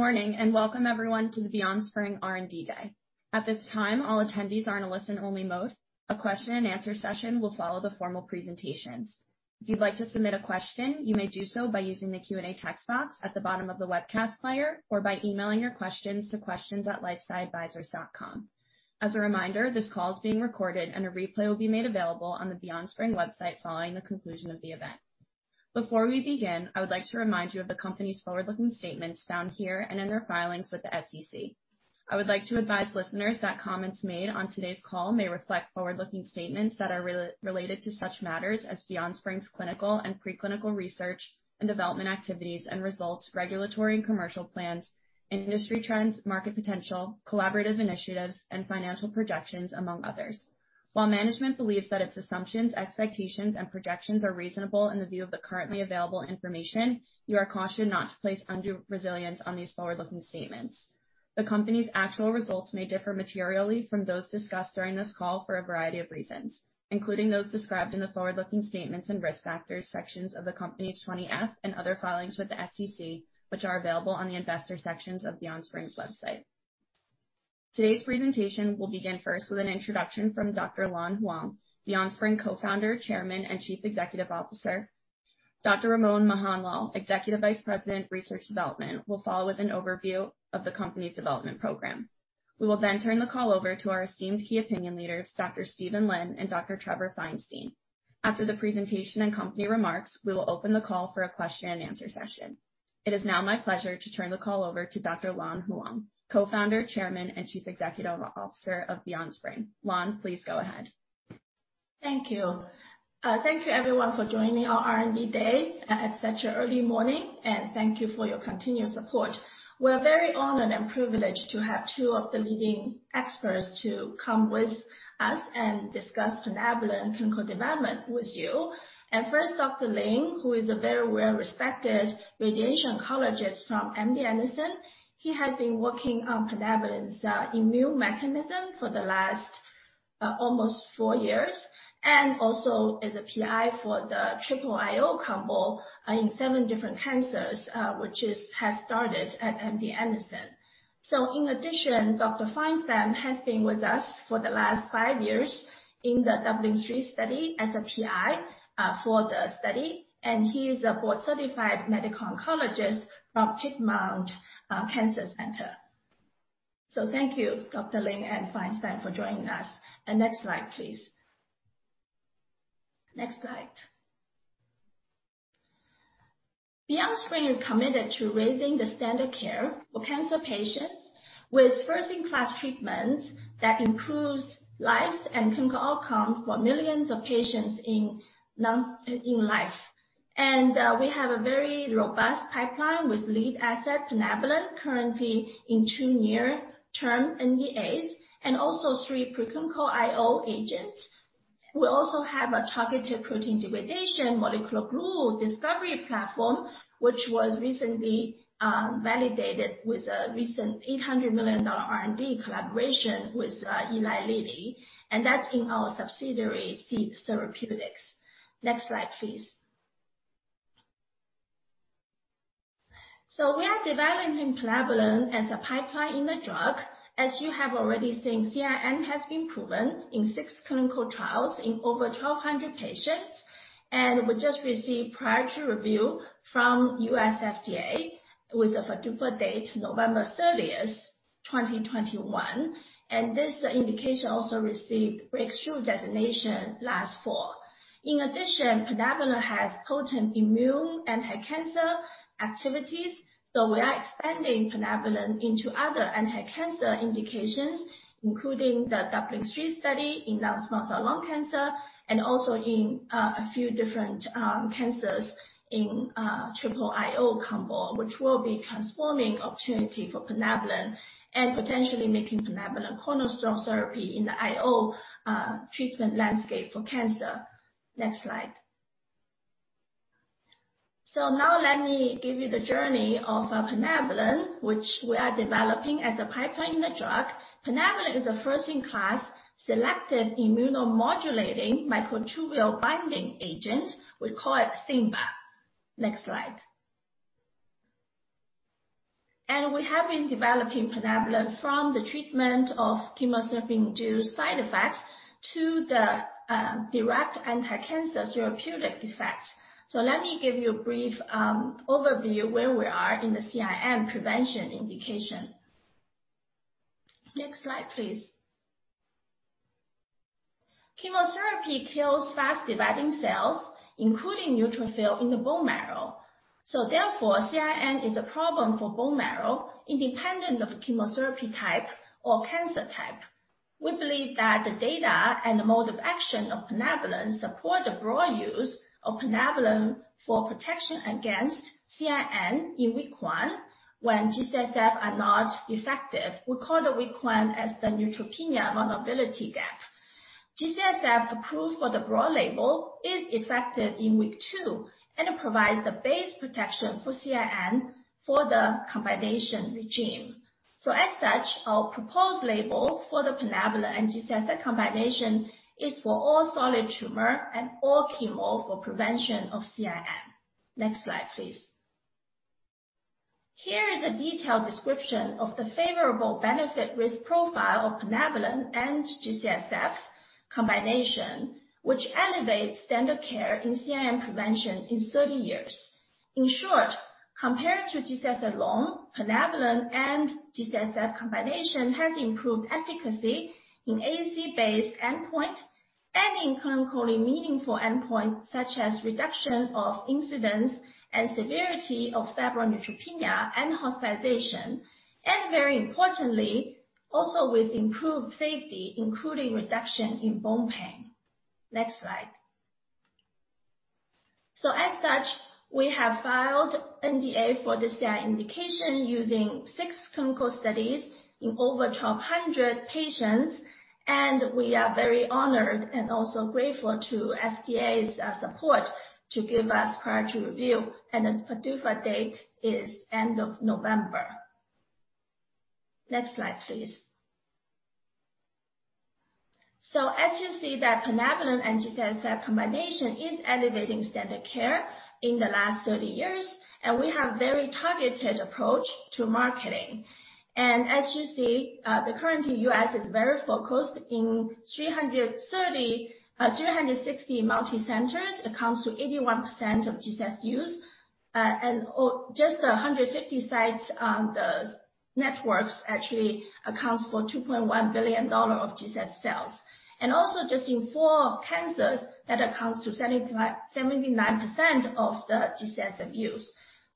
Morning, welcome everyone to the BeyondSpring R&D Day. At this time, all attendees are in a listen-only mode. A question and answer session will follow the formal presentations. If you'd like to submit a question, you may do so by using the Q&A text box at the bottom of the webcast player or by emailing your questions to questions@lifesciadvisors.com. As a reminder, this call is being recorded and a replay will be made available on the BeyondSpring website following the conclusion of the event. Before we begin, I would like to remind you of the company's forward-looking statements found here and in their filings with the SEC. I would like to advise listeners that comments made on today's call may reflect forward-looking statements that are related to such matters as BeyondSpring's clinical and pre-clinical research and development activities and results, regulatory and commercial plans, industry trends, market potential, collaborative initiatives, and financial projections, among others. While management believes that its assumptions, expectations and projections are reasonable in the view of the currently available information, you are cautioned not to place undue reliance on these forward-looking statements. The company's actual results may differ materially from those discussed during this call for a variety of reasons, including those described in the forward-looking statements and risk factors sections of the Company's Form 20-F and other filings with the SEC, which are available on the investor sections of BeyondSpring's website. Today's presentation will begin first with an introduction from Dr. Lan Huang, BeyondSpring Co-founder, Chairman, and Chief Executive Officer. Dr. Ramon Mohanlal, Executive Vice President, Research Development, will follow with an overview of the company's development program. We will then turn the call over to our esteemed key opinion leaders, Dr. Stephen Lin and Dr. Trevor Feinstein. After the presentation and company remarks, we will open the call for a question-and-answer session. It is now my pleasure to turn the call over to Dr. Lan Huang, Co-founder, Chairman, and Chief Executive Officer of BeyondSpring. Lan, please go ahead. Thank you. Thank you everyone for joining our R&D day. It's such early morning. Thank you for your continued support. We're very honored and privileged to have two of the leading experts to come with us and discuss plinabulin clinical development with you. First, Dr. Lin, who is a very well-respected radiation oncologist from MD Anderson. He has been working on plinabulin's immune mechanism for the last almost four years, and also is a PI for the triple IO combo in seven different cancers, which has started at MD Anderson. In addition, Dr. Feinstein has been with us for the last five years in the DUBLIN-3 study as a PI for the study. He is a board-certified medical oncologist from Piedmont Cancer Institute. Thank you, Dr. Lin and Feinstein for joining us. The next slide, please. Next slide. BeyondSpring is committed to raising the standard of care for cancer patients with first-in-class treatments that improves lives and clinical outcomes for millions of patients in life. We have a very robust pipeline with lead asset plinabulin currently in two near-term NDAs and also three pre-clinical IO agents. We also have a targeted protein degradation molecular glue discovery platform, which was recently validated with a recent $800 million R&D collaboration with Eli Lilly, that's in our subsidiary SEED Therapeutics. Next slide, please. We are developing plinabulin as a pipeline in the drug. As you have already seen, CIN has been proven in six clinical trials in over 1,200 patients. We just received priority review from U.S. FDA with a PDUFA date November 30th, 2021, this indication also received breakthrough designation last fall. In addition, plinabulin has potent immune anticancer activities. We are expanding plinabulin into other anticancer indications, including the DUBLIN-3 study in non-small cell lung cancer and also in a few different cancers in triple IO combo, which will be transforming opportunity for plinabulin and potentially making plinabulin a cornerstone therapy in the IO treatment landscape for cancer. Next slide. Now let me give you the journey of plinabulin, which we are developing as a pipeline drug. Plinabulin is a first-in-class selective immunomodulating microtubule-binding agent. We call it SIMBA. Next slide. We have been developing plinabulin from the treatment of chemotherapy-induced side effects to the direct anticancer therapeutic effect. Let me give you a brief overview where we are in the CIN prevention indication. Next slide, please. Chemotherapy kills fast-dividing cells, including neutrophil in the bone marrow. Therefore, CIN is a problem for bone marrow independent of chemotherapy type or cancer type. We believe that the data and the mode of action of plinabulin support the broad use of plinabulin for protection against CIN in Week 1 when G-CSF are not effective. We call the Week 1 as the neutropenia vulnerability gap. G-CSF approved for the broad label is effective in Week 2 and provides the base protection for CIN for the combination regime. As such, our proposed label for the plinabulin and G-CSF combination is for all solid tumor and all chemo for prevention of CIN. Next slide, please. Here is a detailed description of the favorable benefit risk profile of plinabulin and G-CSF combination, which elevates standard care in CIN prevention in 30 years. In short, compared to G-CSF alone, plinabulin and G-CSF combination has improved efficacy in AEC-based endpoint and in clinically meaningful endpoint, such as reduction of incidence and severity of febrile neutropenia and hospitalization, and very importantly, also with improved safety, including reduction in bone pain. Next slide. As such, we have filed NDA for the CIN indication using sx clinical studies in over 1,200 patients, and we are very honored and also grateful to FDA's support to give us priority review, and the PDUFA date is end of November. Next slide, please. As you see that plinabulin and G-CSF combination is elevating standard of care in the last 30 years, and we have very targeted approach to marketing. As you see, the current U.S. is very focused in 360 multi-centers, accounts to 81% of G-CSF use, and just 150 sites on the networks actually accounts for $2.1 billion of G-CSF sales. Just in four cancers, that accounts to 79% of the G-CSF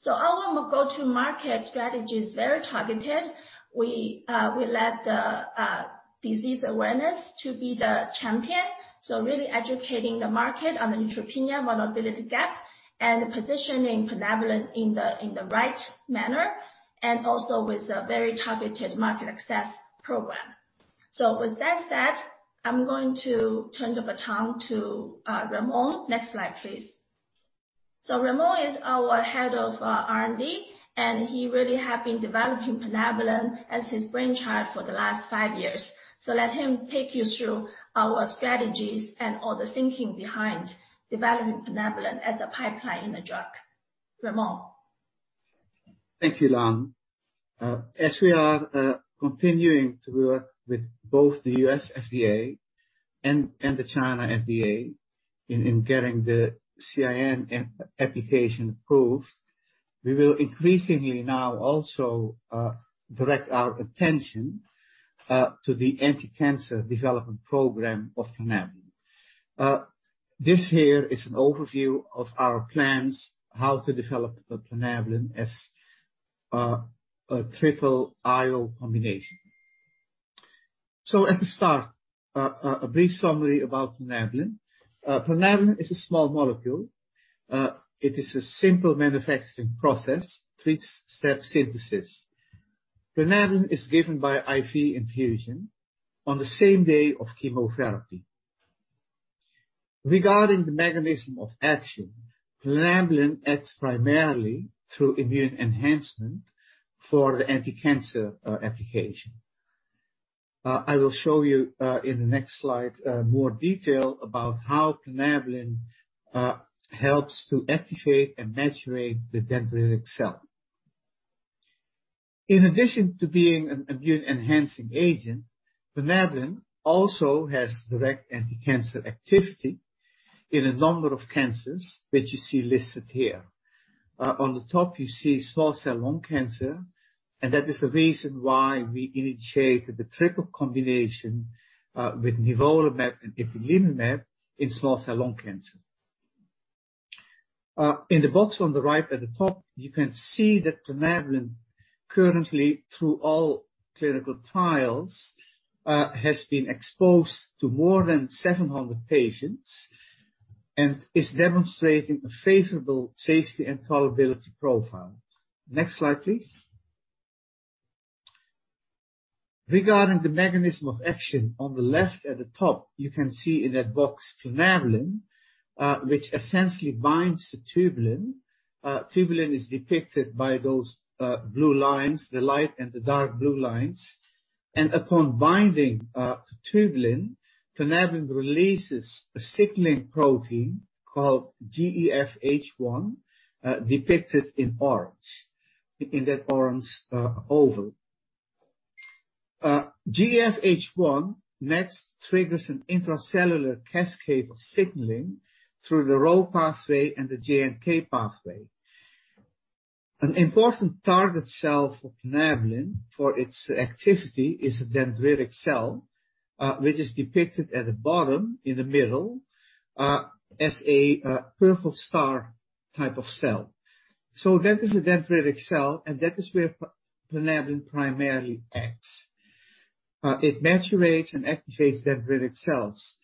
use. Our go-to-market strategy is very targeted. We let the disease awareness to be the champion, really educating the market on the neutropenia vulnerability gap and positioning plinabulin in the right manner, and also with a very targeted market access program. With that said, I'm going to turn the baton to Ramon. Next slide, please. Ramon is our head of R&D, and he really have been developing plinabulin as his brainchild for the last five years. Let him take you through our strategies and all the thinking behind developing plinabulin as a pipeline drug. Ramon. Thank you, Lan. As we are continuing to work with both the U.S. FDA and the China FDA in getting the CIN application approved, we will increasingly now also direct our attention to the anti-cancer development program of plinabulin. This here is an overview of our plans how to develop the plinabulin as a triple IO combination. As a start, a brief summary about plinabulin. Plinabulin is a small molecule. It is a simple manufacturing process, three-step synthesis. Plinabulin is given by IV infusion on the same day of chemotherapy. Regarding the mechanism of action, plinabulin acts primarily through immune enhancement for the anti-cancer application. I will show you, in the next slide, more detail about how plinabulin helps to activate and maturate the dendritic cell. In addition to being an immune-enhancing agent, plinabulin also has direct anti-cancer activity in a number of cancers that you see listed here. On the top, you see small cell lung cancer. That is the reason why we initiated the triple combination, with nivolumab and ipilimumab in small cell lung cancer. In the box on the right at the top, you can see that plinabulin currently through all clinical trials, has been exposed to more than 700 patients and is demonstrating a favorable safety and tolerability profile. Next slide, please. Regarding the mechanism of action, on the left at the top, you can see in a box plinabulin, which essentially binds to tubulin. Tubulin is depicted by those blue lines, the light and the dark blue lines. Upon binding to tubulin, plinabulin releases a signaling protein called GEF-H1, depicted in orange, in that orange oval. GEF-H1 next triggers an intracellular cascade of signaling through the Rho pathway and the JNK pathway. An important target cell for plinabulin for its activity is a dendritic cell, which is depicted at the bottom in the middle, as a purple star type of cell. That is a dendritic cell, and that is where plinabulin primarily acts. It maturates and activates dendritic cells,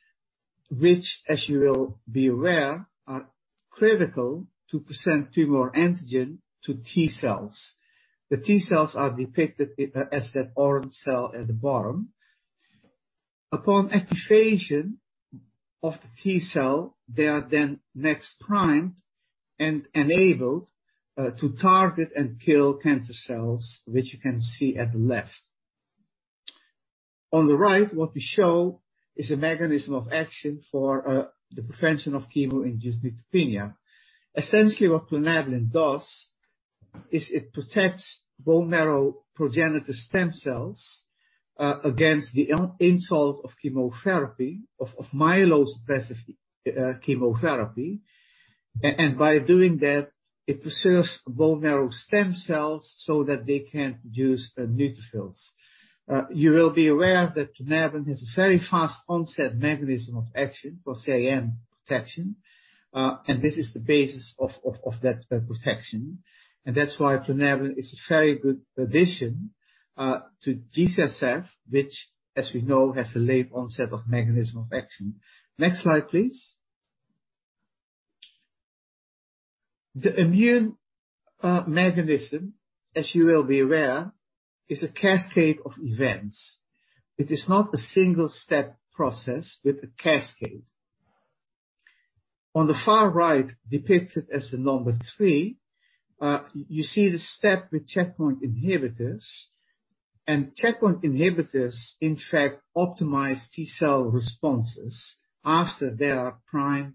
which, as you will be aware, are critical to present tumor antigen to T-cells. The T-cells are depicted as that orange cell at the bottom. Upon activation of the T-cell, they are then next primed and enabled to target and kill cancer cells, which you can see at the left. On the right, what we show is a mechanism of action for the prevention of chemo-induced neutropenia. Essentially, what plinabulin does is it protects bone marrow progenitor stem cells against the insult of chemotherapy, of myelo-specific chemotherapy. By doing that, it preserves bone marrow stem cells so that they can produce neutrophils. You will be aware that plinabulin has a very fast onset mechanism of action for CAM protection, and this is the basis of that protection. That's why plinabulin is a very good addition to G-CSF, which, as we know, has a late onset of mechanism of action. Next slide, please. The immune mechanism, as you will be aware, is a cascade of events. It is not a single-step process but a cascade. On the far right, depicted as a Number 3, you see the step with checkpoint inhibitors, and checkpoint inhibitors in fact optimize T-cell responses after they are primed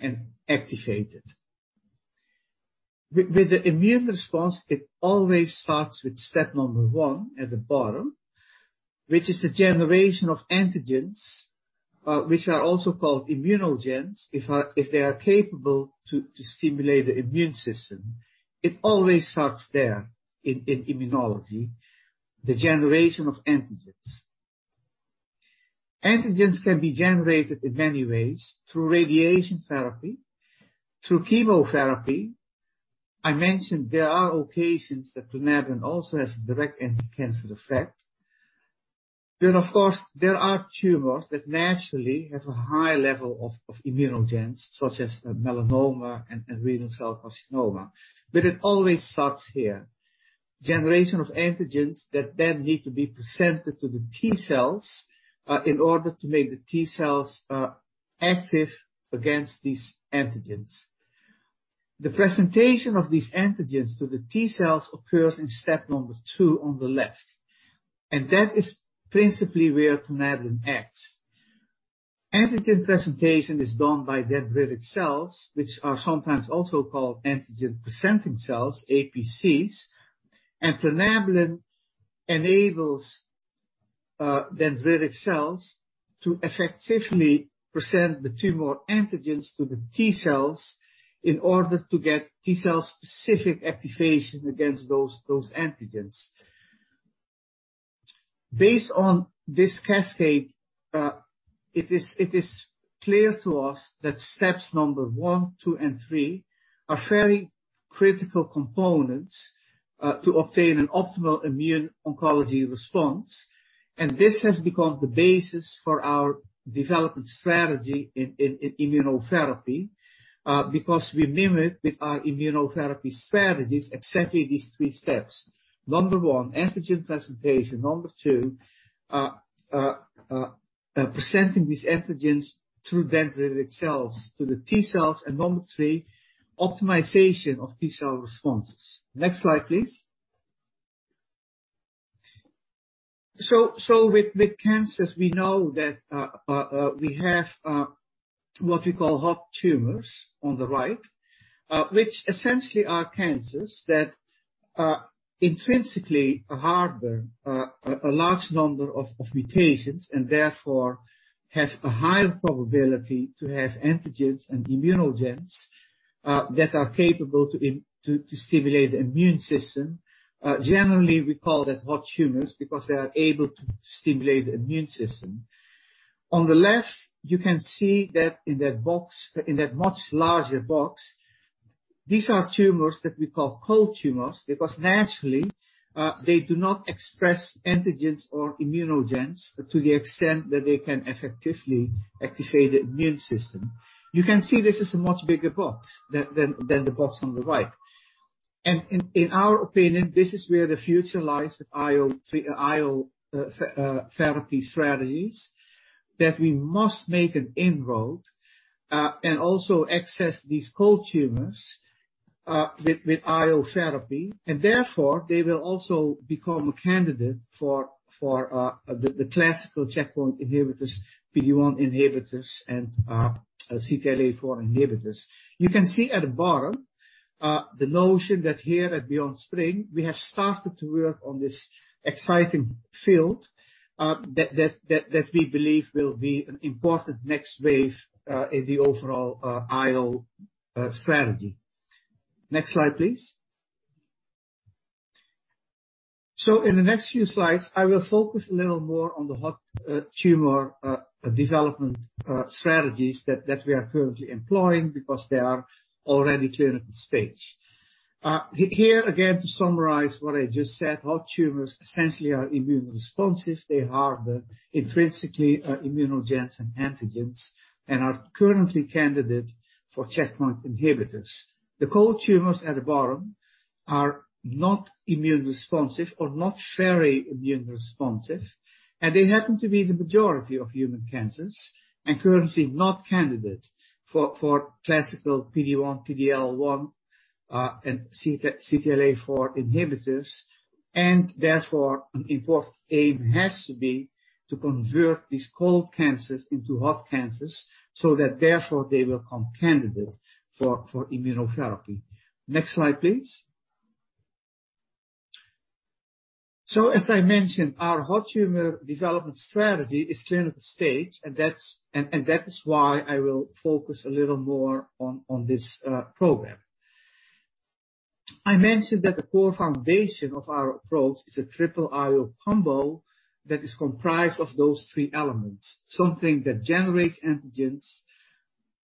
and activated. With the immune response, it always starts with Step 1 at the bottom, which is the generation of antigens, which are also called immunogens, if they are capable to stimulate the immune system. It always starts there in immunology, the generation of antigens. Antigens can be generated in many ways, through radiation therapy, through chemotherapy. I mentioned there are occasions that plinabulin also has a direct anti-cancer effect. Of course, there are tumors that naturally have a higher level of immunogens, such as melanoma and renal cell carcinoma. It always starts here. Generation of antigens that then need to be presented to the T cells, in order to make the T-cells active against these antigens. The presentation of these antigens to the T-cells occurs in Step 2 on the left, that is principally where plinabulin acts. Antigen presentation is done by dendritic cells, which are sometimes also called antigen-presenting cells, APCs. Plinabulin enables dendritic cells to effectively present the tumor antigens to the T-cells in order to get T-cell specific activation against those antigens. Based on this cascade, it is clear to us that Steps number 1, 2, and 3 are very critical components to obtain an optimal immuno-oncology response. This has become the basis for our development strategy in immunotherapy, because we mimic with our immunotherapy strategies exactly these three steps. Number one, antigen presentation. Number two, presenting these antigens through dendritic cells to the T-cells. Number three, optimization of T-cell responses. Next slide, please. With cancers, we know that we have what we call hot tumors on the right, which essentially are cancers that intrinsically harbor a large number of mutations, and therefore have a higher probability to have antigens and immunogens that are capable to stimulate the immune system. Generally, we call them hot tumors because they are able to stimulate the immune system. On the left, you can see that in that much larger box, these are tumors that we call cold tumors because naturally, they do not express antigens or immunogens to the extent that they can effectively activate the immune system. You can see this is a much bigger box than the box on the right. In our opinion, this is where the future lies with IO therapy strategies that we must make an inroad, and also access these cold tumors with IO therapy. Therefore, they will also become a candidate for the classical checkpoint inhibitors, PD-1 inhibitors, and CTLA-4 inhibitors. You can see at the bottom the notion that here at BeyondSpring, we have started to work on this exciting field that we believe will be an important next wave in the overall IO strategy. Next slide, please. In the next few slides, I will focus a little more on the hot tumor development strategies that we are currently employing because they are already clinical stage. Here again, to summarize what I just said, hot tumors essentially are immune responsive. They are intrinsically immunogens and antigens and are currently candidate for checkpoint inhibitors. The cold tumors at the bottom are not immune responsive or not very immune responsive, and they happen to be the majority of human cancers and currently not candidate for classical PD-1, PD-L1, and CTLA-4 inhibitors. Therefore, an important aim has to be to convert these cold cancers into hot cancers so that therefore they become candidate for immunotherapy. Next slide, please. As I mentioned, our hot tumor development strategy is clinical-stage, and that is why I will focus a little more on this program. I mentioned that the core foundation of our approach is a triple IO combo that is comprised of those three elements, something that generates antigens,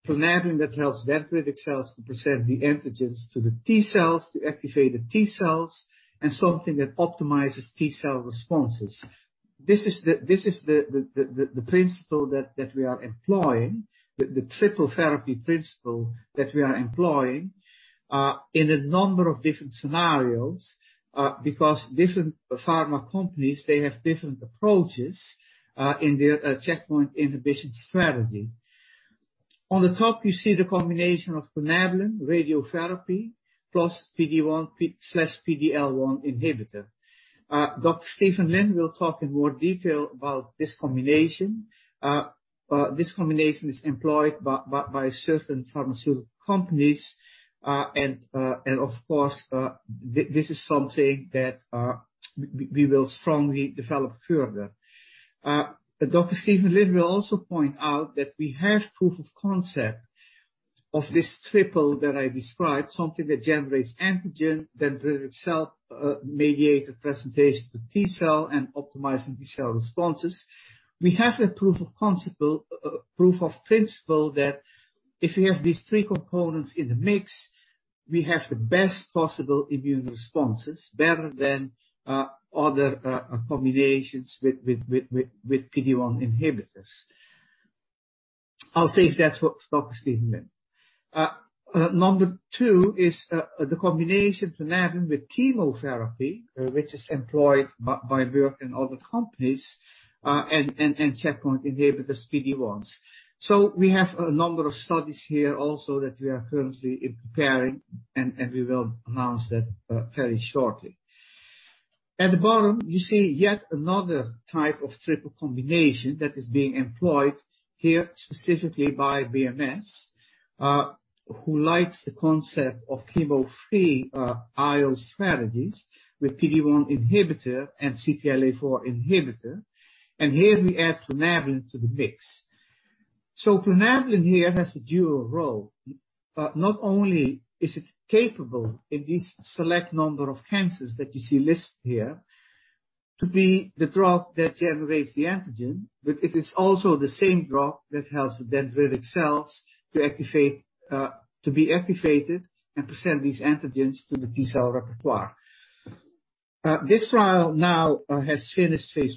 Plinabulin that helps dendritic cells to present the antigens to the T-cells to activate the T-cells, and something that optimizes T-cell responses. This is the principle that we are employing, the triple therapy principle that we are employing in a number of different scenarios, because different pharma companies, they have different approaches in their checkpoint inhibition strategy. On the top, you see the combination of plinabulin, radiotherapy, plus PD-1/PD-L1 inhibitor. Dr. Stephen Lin will talk in more detail about this combination. This combination is employed by certain pharmaceutical companies, and of course, this is something that we will strongly develop further. Dr. Stephen Lin will also point out that we have proof of concept of this triple that I described, something that generates antigen, dendritic cell, mediate the presentation to T-cell, and optimizing T-cell responses. We have the proof of principle that if we have these three components in the mix, we have the best possible immune responses, better than other combinations with PD-1 inhibitors. I'll say that's what Stephen Lin. Number two is the combination plinabulin with chemotherapy, which is employed by Vir and other companies, and checkpoint inhibitors, PD-1s. We have a number of studies here also that we are currently preparing, and we will announce that very shortly. At the bottom, you see yet another type of triple combination that is being employed here specifically by BMS, who likes the concept of chemo-free IO strategies with PD-1 inhibitor and CTLA-4 inhibitor. Here we add plinabulin to the mix. Plinabulin here has a dual role, but not only is it capable in this select number of cancers that you see listed here to be the drug that generates the antigen, but it is also the same drug that helps the dendritic cells to be activated and present these antigens to the T-cell repertoire. This trial now has finished phase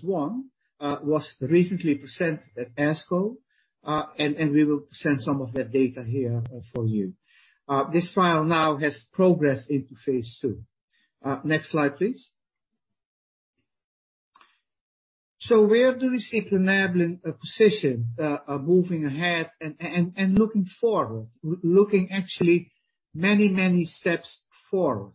I, was recently presented at ASCO, and we will present some of that data here for you. This trial now has progressed into phase II. Next slide, please. Where do we see plinabulin positioned, moving ahead and looking forward, looking actually many steps forward?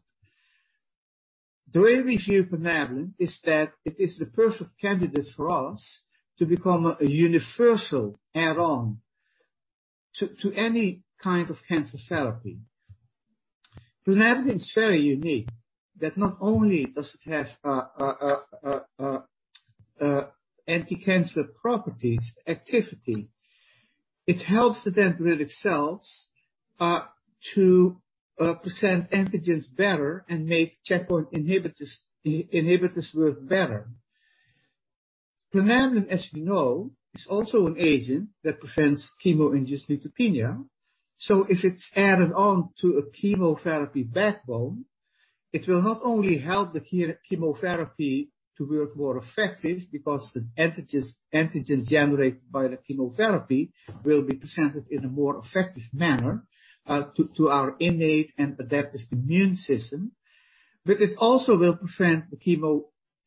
The way we see plinabulin is that it is the perfect candidate for us to become a universal add-on to any kind of cancer therapy. Plinabulin is very unique that not only does it have anti-cancer properties activity, it helps the dendritic cells to present antigens better and make checkpoint inhibitors work better. Plinabulin, as you know, is also an agent that prevents chemo-induced neutropenia. If it's added on to a chemotherapy backbone, it will not only help the chemotherapy to work more effective because the antigens generated by the chemotherapy will be presented in a more effective manner to our innate and adaptive immune system, but it also will prevent the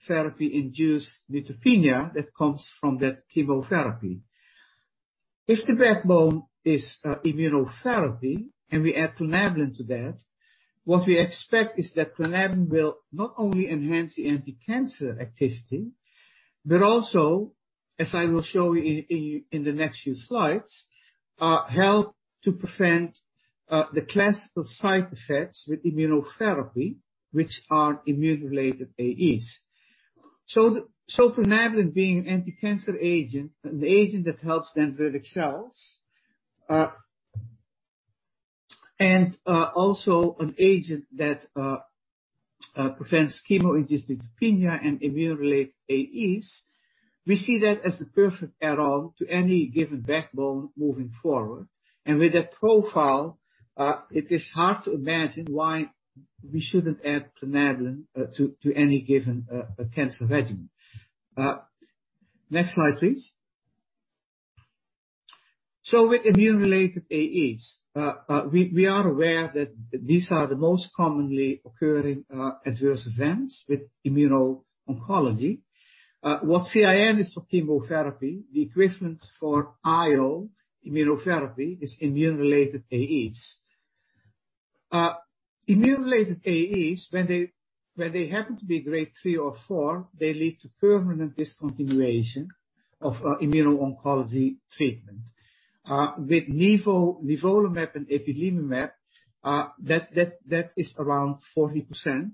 chemotherapy-induced neutropenia that comes from that chemotherapy. If the backbone is immunotherapy and we add plinabulin to that, what we expect is that plinabulin will not only enhance the anti-cancer activity, but also, as I will show you in the next few slides, help to prevent the classical side effects with immunotherapy, which are immune-related AEs. Plinabulin being an anti-cancer agent, an agent that helps dendritic cells, and also an agent that prevents chemo-induced neutropenia and immune-related AEs. We see that as a perfect add-on to any given backbone moving forward. With that profile, it is hard to imagine why we shouldn't add plinabulin to any given cancer regimen. Next slide, please. With immune-related AEs, we are aware that these are the most commonly occurring adverse events with immuno-oncology. What CIN is for chemotherapy, the equivalent for IO, immunotherapy, is immune-related AEs. Immune-related AEs, when they happen to be Grade 3 or 4, they lead to permanent discontinuation of immuno-oncology treatment. With nivolumab and ipilimumab, that is around 40%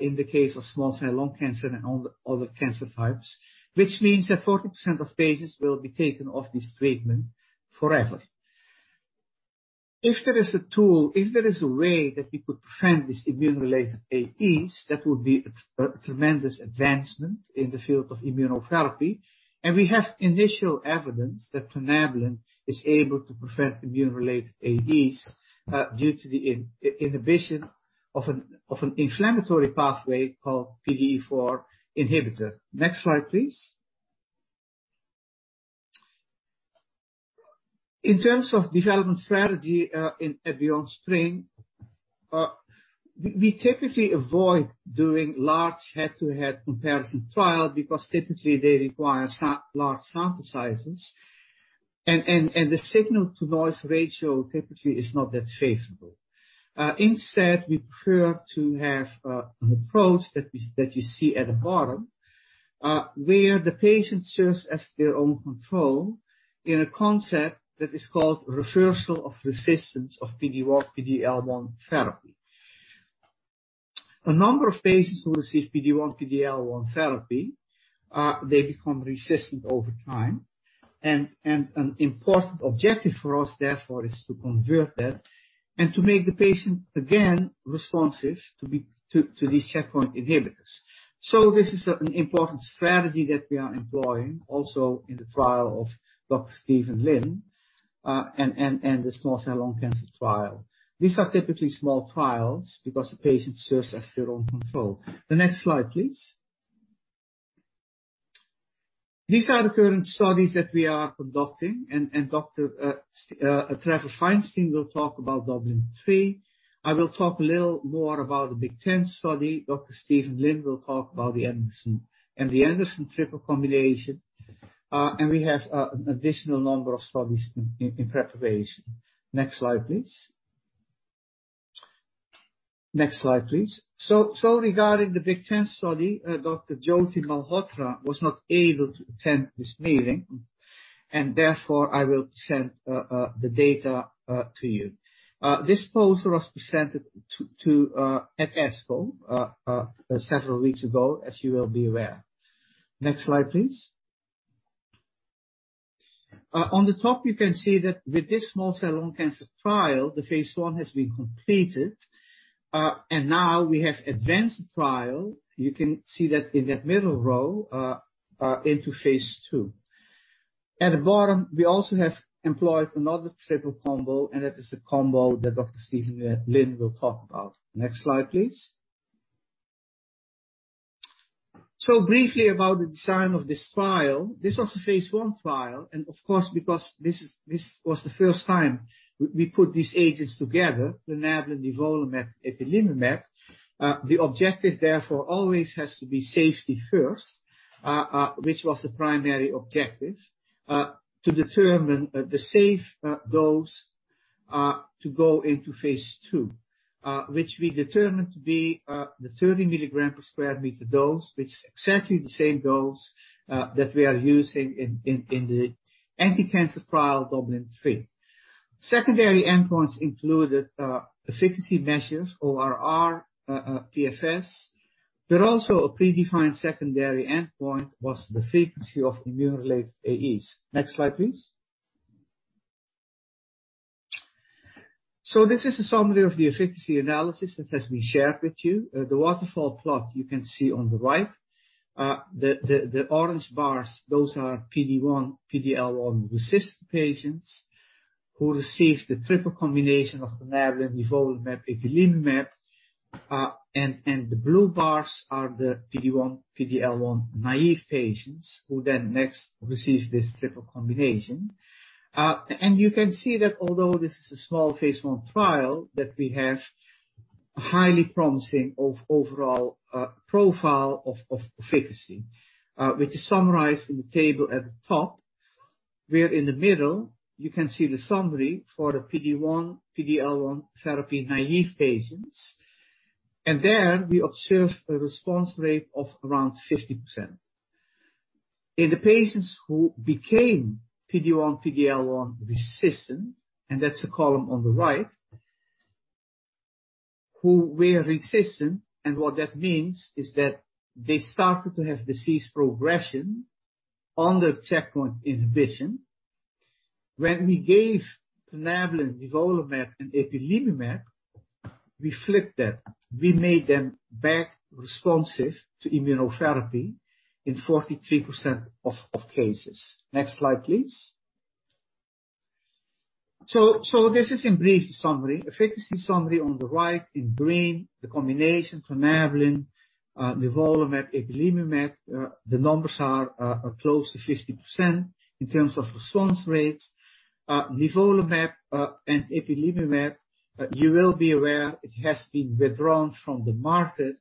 in the case of small cell lung cancer and other cancer types, which means that 40% of patients will be taken off this treatment forever. If there is a tool, if there is a way that we could prevent this immune-related AEs, that would be a tremendous advancement in the field of immunotherapy, and we have initial evidence that plinabulin is able to prevent immune-related AEs due to the inhibition of an inflammatory pathway called PDE4 inhibitor. Next slide, please. In terms of development strategy in BeyondSpring, we typically avoid doing large head-to-head comparison trial because typically they require large sample sizes and the signal-to-noise ratio typically is not that favorable. Instead, we prefer to have an approach that you see at the bottom, where the patient serves as their own control in a concept that is called reversal of resistance of PD-1/PD-L1 therapy. A number of patients who receive PD-1/PD-L1 therapy, they become resistant over time, and an important objective for us, therefore, is to convert that and to make the patient again responsive to these checkpoint inhibitors. This is an important strategy that we are employing also in the trial of Dr. Stephen Lin, and the small cell lung cancer trial. These are typically small trials because the patient serves as their own control. The next slide, please. These are the current studies that we are conducting, and Dr. Trevor Feinstein will talk about DUBLIN-3. I will talk a little more about the Big Ten study. Dr. Stephen Lin will talk about the Anderson, and the Anderson triple combination, we have an additional number of studies in preparation. Next slide, please. Regarding the Big Ten study, Dr. Jyoti Malhotra was not able to attend this meeting, therefore I will present the data to you. This poster was presented at ASCO several weeks ago, as you will be aware. Next slide, please. On the top, you can see that with this small cell lung cancer trial, the phase I has been completed, now we have advanced the trial, you can see that in that middle row, into phase II. At the bottom, we also have employed another triple combo, that is the combo that Dr. Stephen Lin will talk about. Next slide, please. Briefly about the design of this trial. This was a phase I trial. Of course, because this was the first time we put these agents together, plinabulin, nivolumab, ipilimumab, the objective therefore always has to be safety first, which was the primary objective, to determine the safe dose to go into phase II, which we determined to be the 30 mg/m2 dose, which is exactly the same dose that we are using in the anti-cancer trial, DUBLIN-3. Secondary endpoints included efficacy measures, ORR, PFS, but also a predefined secondary endpoint was the frequency of immune-related AEs. Next slide, please. This is a summary of the efficacy analysis that has been shared with you. The waterfall plot you can see on the right. The orange bars, those are PD-1/ PD-L1 resistant patients who received the triple combination of plinabulin, nivolumab, ipilimumab. The blue bars are the PD-1/PD-L1 naive patients who then next received this triple combination. You can see that although this is a small phase I trial, that we have a highly promising overall profile of efficacy, which is summarized in the table at the top, where in the middle you can see the summary for the PD-1/PD-L1 therapy naive patients. There we observed a response rate of around 50%. In the patients who became PD-1/PD-L1 resistant, and that's the column on the right, who were resistant, and what that means is that they started to have disease progression on the checkpoint inhibition. When we gave plinabulin, nivolumab, and ipilimumab, we flipped that. We made them back responsive to immunotherapy in 43% of cases. Next slide, please. This is in brief, a summary. Efficacy summary on the right in green, the combination plinabulin, nivolumab, ipilimumab, the numbers are close to 50% in terms of response rates. Nivolumab and ipilimumab, you will be aware it has been withdrawn from the market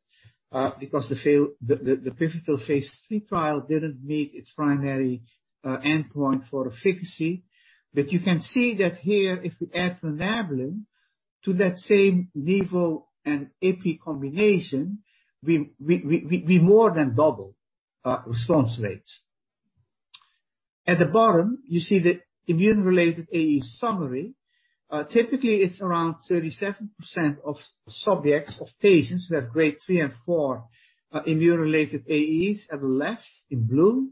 because the pivotal phase III trial didn't meet its primary endpoint for efficacy. You can see that here, if we add plinabulin to that same nivo and ipi combination, we more than double response rates. At the bottom, you see the immune-related AEs summary. Typically, it's around 37% of subjects, of patients who have Grade 3 and 4 immune-related AEs at the left in blue.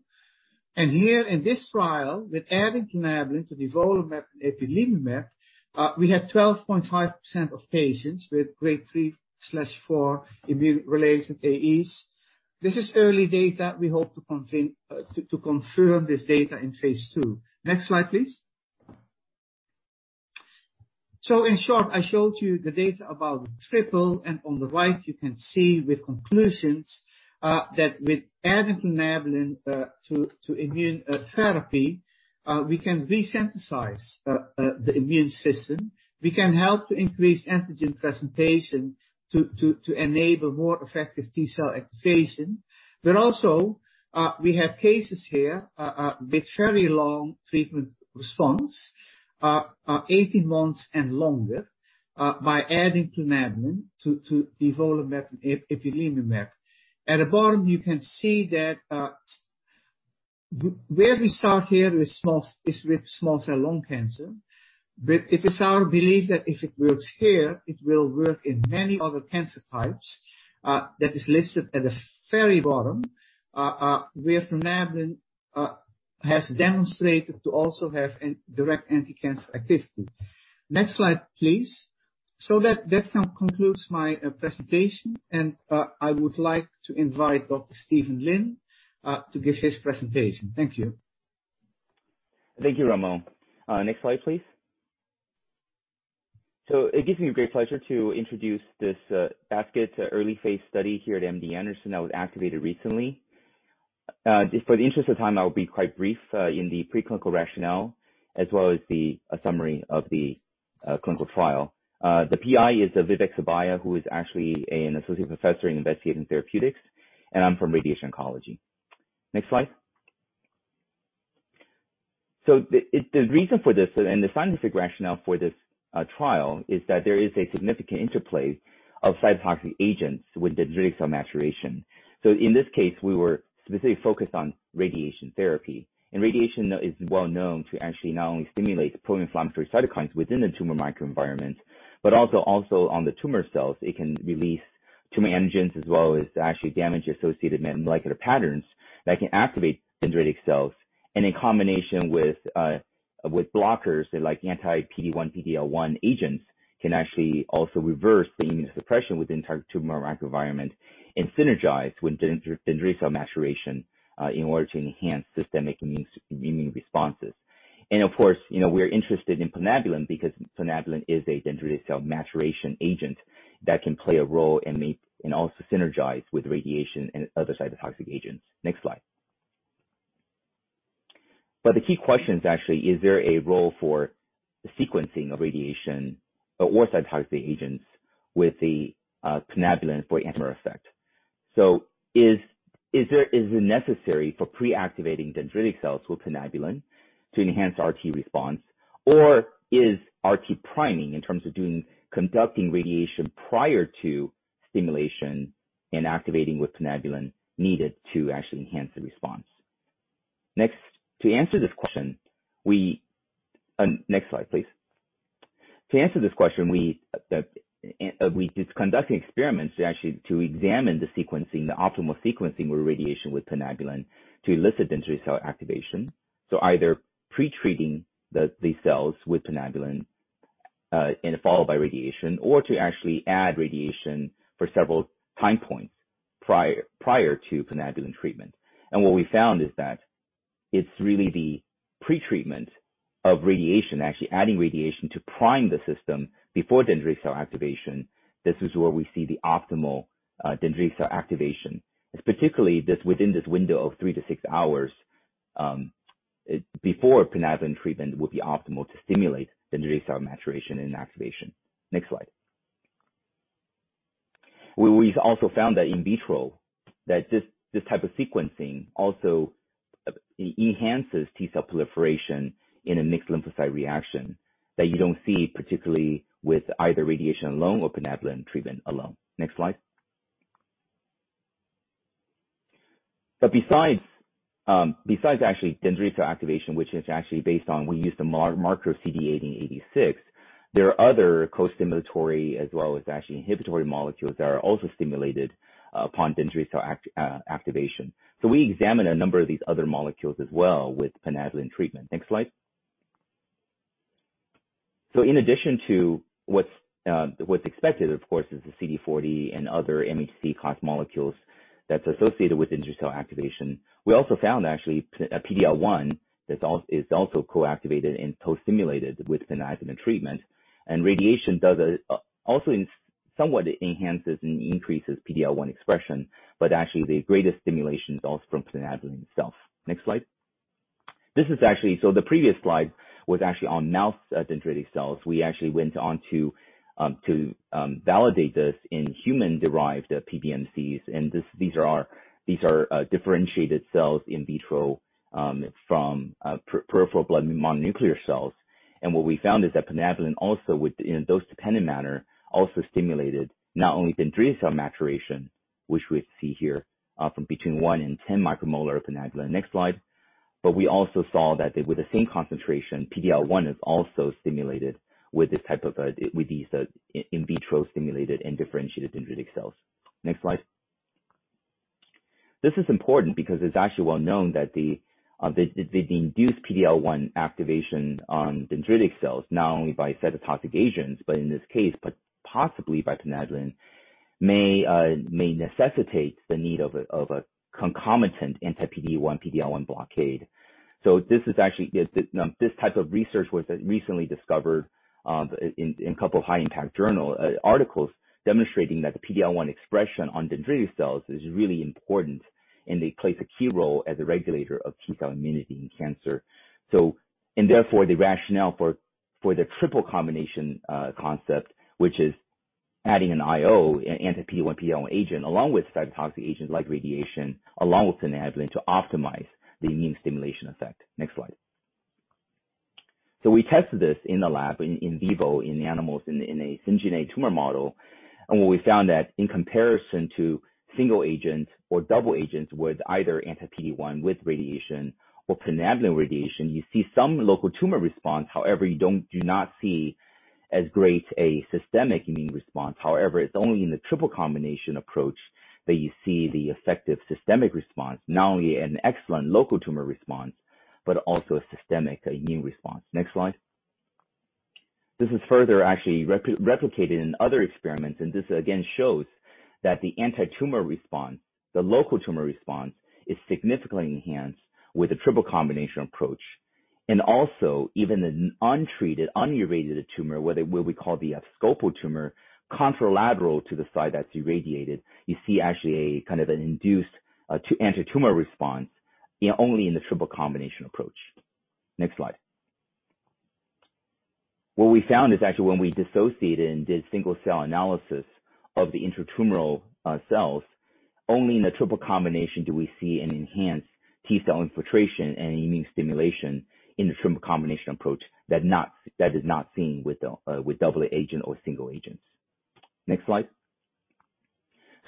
Here in this trial, with adding plinabulin to nivolumab and ipilimumab, we had 12.5% of patients with Grade 3/4 immune-related AEs. This is early data. We hope to confirm this data in phase II. Next slide, please. In short, I showed you the data about the triple, and on the right you can see the conclusions, that with adding plinabulin to immune therapy, we can resynthesize the immune system. We can help to increase antigen presentation to enable more effective T-cell activation. Also, we have cases here with very long treatment response, 18 months and longer, by adding plinabulin to nivolumab and ipilimumab. At the bottom, you can see that where we start here is with small cell lung cancer. It is our belief that if it works here, it will work in many other cancer types, that is listed at the very bottom, where plinabulin has demonstrated to also have direct anti-cancer activity. Next slide, please. That concludes my presentation, and I would like to invite Dr. Stephen Lin to give his presentation. Thank you. Thank you, Ramon. Next slide, please. It gives me great pleasure to introduce this AFQT early phase study here at MD Anderson that was activated recently. Just for the interest of time, I'll be quite brief in the preclinical rationale as well as the summary of the clinical trial. The PI is Vivek Subbiah, who is actually an associate professor in investigative therapeutics, and I'm from radiation oncology. Next slide. The reason for this, and the scientific rationale for this trial is that there is a significant interplay of cytotoxic agents with dendritic cell maturation. In this case, we were specifically focused on radiation therapy. Radiation is well known to actually not only stimulate pro-inflammatory cytokines within the tumor microenvironment, but also on the tumor cells, it can release tumor antigens as well as actually damage-associated molecular patterns that can activate dendritic cells and in combination with blockers like anti-PD-1/PD-L1 agents, can actually also reverse the immune suppression within the tumor microenvironment and synergize with dendritic cell maturation in order to enhance systemic immune responses. Of course, we're interested in plinabulin because plinabulin is a dendritic cell maturation agent that can play a role and also synergize with radiation and other cytotoxic agents. Next slide. The key question is actually, is there a role for the sequencing of radiation or cytotoxic agents with a plinabulin potentiator effect? Is it necessary for pre-activating dendritic cells with plinabulin to enhance RT response, or is RT priming in terms of conducting radiation prior to stimulation and activating with plinabulin needed to actually enhance the response? Next. To answer this question, Next slide, please. To answer this question, we conducted experiments to actually examine the optimal sequencing with radiation with plinabulin to elicit dendritic cell activation. Either pre-treating the cells with plinabulin, and followed by radiation, or to actually add radiation for several time points prior to plinabulin treatment. What we found is that it's really the pretreatment of radiation, actually adding radiation to prime the system before dendritic cell activation. This is where we see the optimal dendritic cell activation, particularly within this window of three to six hours, before plinabulin treatment would be optimal to stimulate dendritic cell maturation and activation. Next slide. We've also found that in vitro, that this type of sequencing also enhances T-cell proliferation in a mixed lymphocyte reaction that you don't see, particularly with either radiation alone or plinabulin treatment alone. Next slide. Besides actually dendritic cell activation, which is actually based on we use the marker CD86. There are other costimulatory as well as actually inhibitory molecules that are also stimulated upon dendritic cell activation. We examine a number of these other molecules as well with plinabulin treatment. Next slide. In addition to what's expected, of course, is the CD40 and other MHC class molecules that's associated with dendritic cell activation. We also found actually PD-L1 is also co-activated and co-stimulated with plinabulin treatment. Radiation does also somewhat enhances and increases PD-L1 expression, but actually the greatest stimulation is also from plinabulin itself. Next slide. The previous slide was actually on mouse dendritic cells. We actually went on to validate this in human-derived PBMCs, and these are differentiated cells in vitro from peripheral blood mononuclear cells. What we found is that plinabulin also in a dose-dependent manner, also stimulated not only dendritic cell maturation, which we see here, from between 1 uM and 10 uM of plinabulin. Next slide. We also saw that with the same concentration, PD-L1 is also stimulated with these in vitro stimulated and differentiated dendritic cells. Next slide. This is important because it's actually well known that the induced PD-L1 activation on dendritic cells, not only by cytotoxic agents, but in this case, but possibly by plinabulin, may necessitate the need of a concomitant anti-PD-1/PD-L1 blockade. This type of research was recently discovered in a couple of high-impact journal articles demonstrating that the PD-L1 expression on dendritic cells is really important, and it plays a key role as a regulator of T-cell immunity in cancer. Therefore, the rationale for the triple combination concept, which is adding an IO, an anti-PD-L1 agent, along with cytotoxic agents like radiation, along with plinabulin to optimize the immune stimulation effect. Next slide. We tested this in the lab, in vivo, in animals, in a syngeneic tumor model. What we found that in comparison to single agents or double agents with either anti-PD-L1 with radiation or plinabulin radiation, you see some local tumor response. However, you do not see as great a systemic immune response. However, it's only in the triple combination approach that you see the effective systemic response. Not only an excellent local tumor response, but also a systemic immune response. Next slide. This is further actually replicated in other experiments. This again shows that the antitumor response, the local tumor response, is significantly enhanced with the triple combination approach. Also even in an untreated, unirradiated tumor, what we call the abscopal tumor, contralateral to the side that's irradiated, you see actually a kind of an induced antitumor response only in the triple combination approach. Next slide. What we found is actually when we dissociated and did single-cell analysis of the intratumoral cells, only in the triple combination do we see an enhanced T-cell infiltration and immune stimulation in the triple combination approach that did not seem with double agent or single agents. Next slide.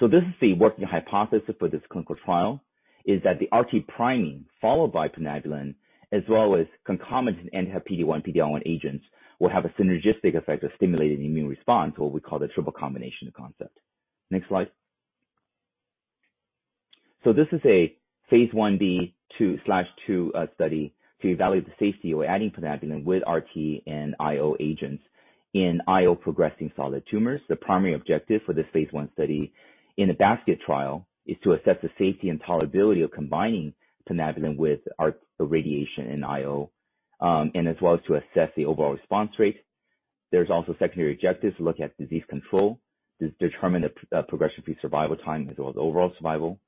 This is a working hypothesis for this clinical trial, is that the RT priming followed by plinabulin as well as concomitant anti-PD-L1 agents will have a synergistic effect of stimulating the immune response, what we call the triple combination concept. Next slide. This is a phase I-B/II study to evaluate the safety of adding plinabulin with RT and IO agents in IO-progressing solid tumors. The primary objective for this phase I study in a basket trial is to assess the safety and tolerability of combining plinabulin with our radiation and IO, and as well as to assess the overall response rate. There's also secondary objectives to look at disease control, to determine the progression-free survival time, as well as overall survival.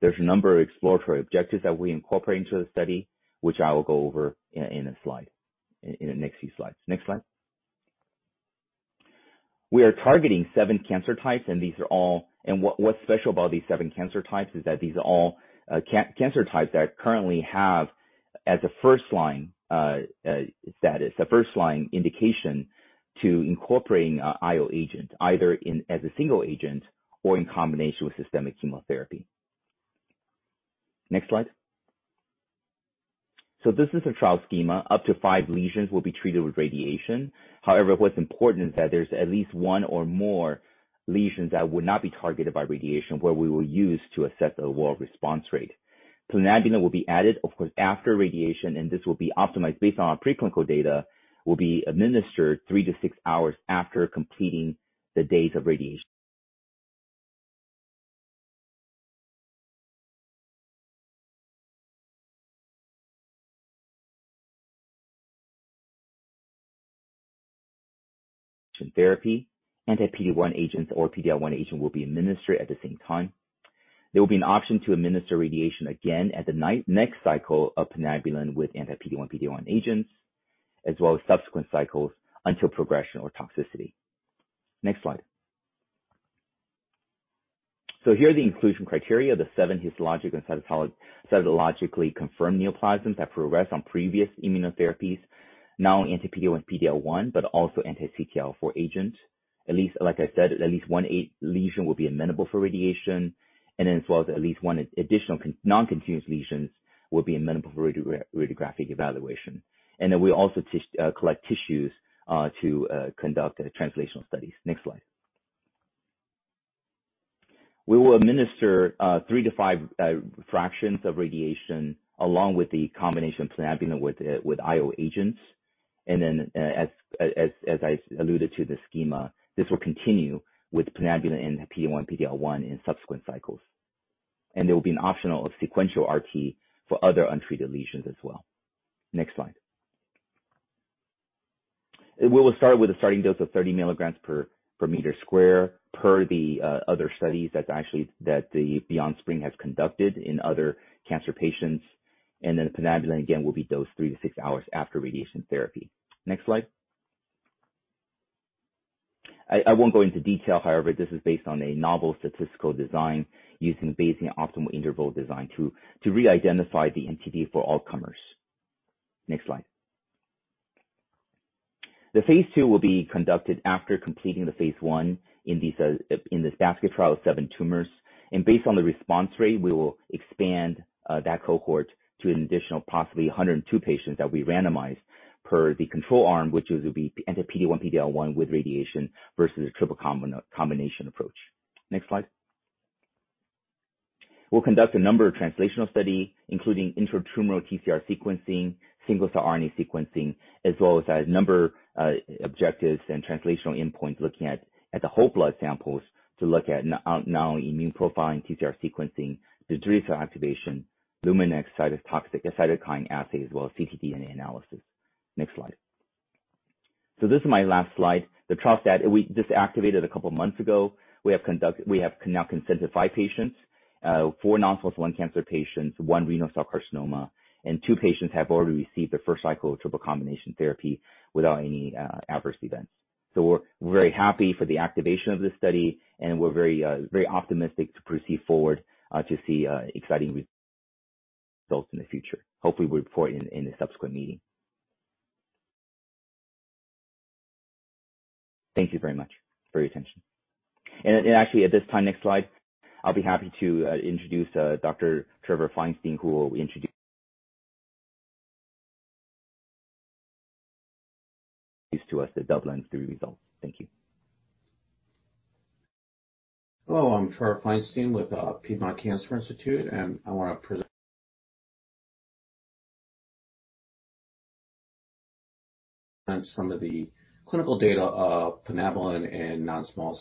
There's a number of exploratory objectives that we incorporate into the study, which I will go over in the next few slides. Next slide. We are targeting seven cancer types, what's special about these seven cancer types is that these are all cancer types that currently have as a first-line status, a first-line indication to incorporating IO agent, either as a single agent or in combination with systemic chemotherapy. Next slide. This is the trial schema. Up to five lesions will be treated with radiation. However, what's important is that there's at least one or more lesions that would not be targeted by radiation, where we will use to assess the overall response rate. plinabulin will be added, of course, after radiation, this will be optimized based on our preclinical data, will be administered three to six hours after completing the days of radiation therapy. Anti-PD-1 agent or PD-L1 agent will be administered at the same time. There will be an option to administer radiation again at the next cycle of plinabulin with anti-PD-L1 agents, as well as subsequent cycles until progression or toxicity. Next slide. Here are the inclusion criteria. The seven histologic and cytologically confirmed neoplasms that progressed on previous immunotherapies, now anti-PD-L1, but also anti-CTLA-4 agent. At least, like I said, at least one lesion will be amenable for radiation, and then for at least one additional non-continuous lesion will be amenable for radiographic evaluation. We also collect tissues to conduct translational studies. Next slide. We will administer 3 to 5 fractions of radiation along with the combination plinabulin with IO agents. As I alluded to the schema, this will continue with plinabulin and PD-L1 in subsequent cycles. There will be an optional sequential RT for other untreated lesions as well. Next slide. We'll start with a starting dose of 30 mg/m2 per the other studies that actually the BeyondSpring has conducted in other cancer patients. Plinabulin again will be dosed three to six hours after radiation therapy. Next slide. I won't go into detail, however, this is based on a novel statistical design using Bayesian optimal interval design to re-identify the MTD for all comers. Next slide. The phase II will be conducted after completing the phase I in this basket trial of seven tumors, and based on the response rate, we will expand that cohort to an additional possibly 102 patients that we randomized per the control arm, which will be anti-PD-L1 with radiation versus a triple combination approach. Next slide. We'll conduct a number of translational study, including intra-tumor TCR sequencing, single cell RNA sequencing, as well as a number of objectives and translational endpoints looking at the whole blood samples to look at now immune profiling TCR sequencing, T-cell activation, Luminex cytotoxic, a cytokine assay, as well as ctDNA analysis. Next slide. This is my last slide. This activated a couple of months ago. We have now consented five patients, four non-small cell cancer patients, one renal cell carcinoma, and two patients have already received their first cycle of triple combination therapy without any adverse events. We're very happy for the activation of this study, and we're very optimistic to proceed forward to see exciting results in the future. Hopefully, we report in a subsequent meeting. Thank you very much for your attention. Actually, at this time, next slide, I'll be happy to introduce Dr. Trevor Feinstein, who will introduce to us the DUBLIN-3 results. Thank you. Hello, I'm Trevor Feinstein with Piedmont Cancer Institute, and I want to present from the clinical data of plinabulin and non-small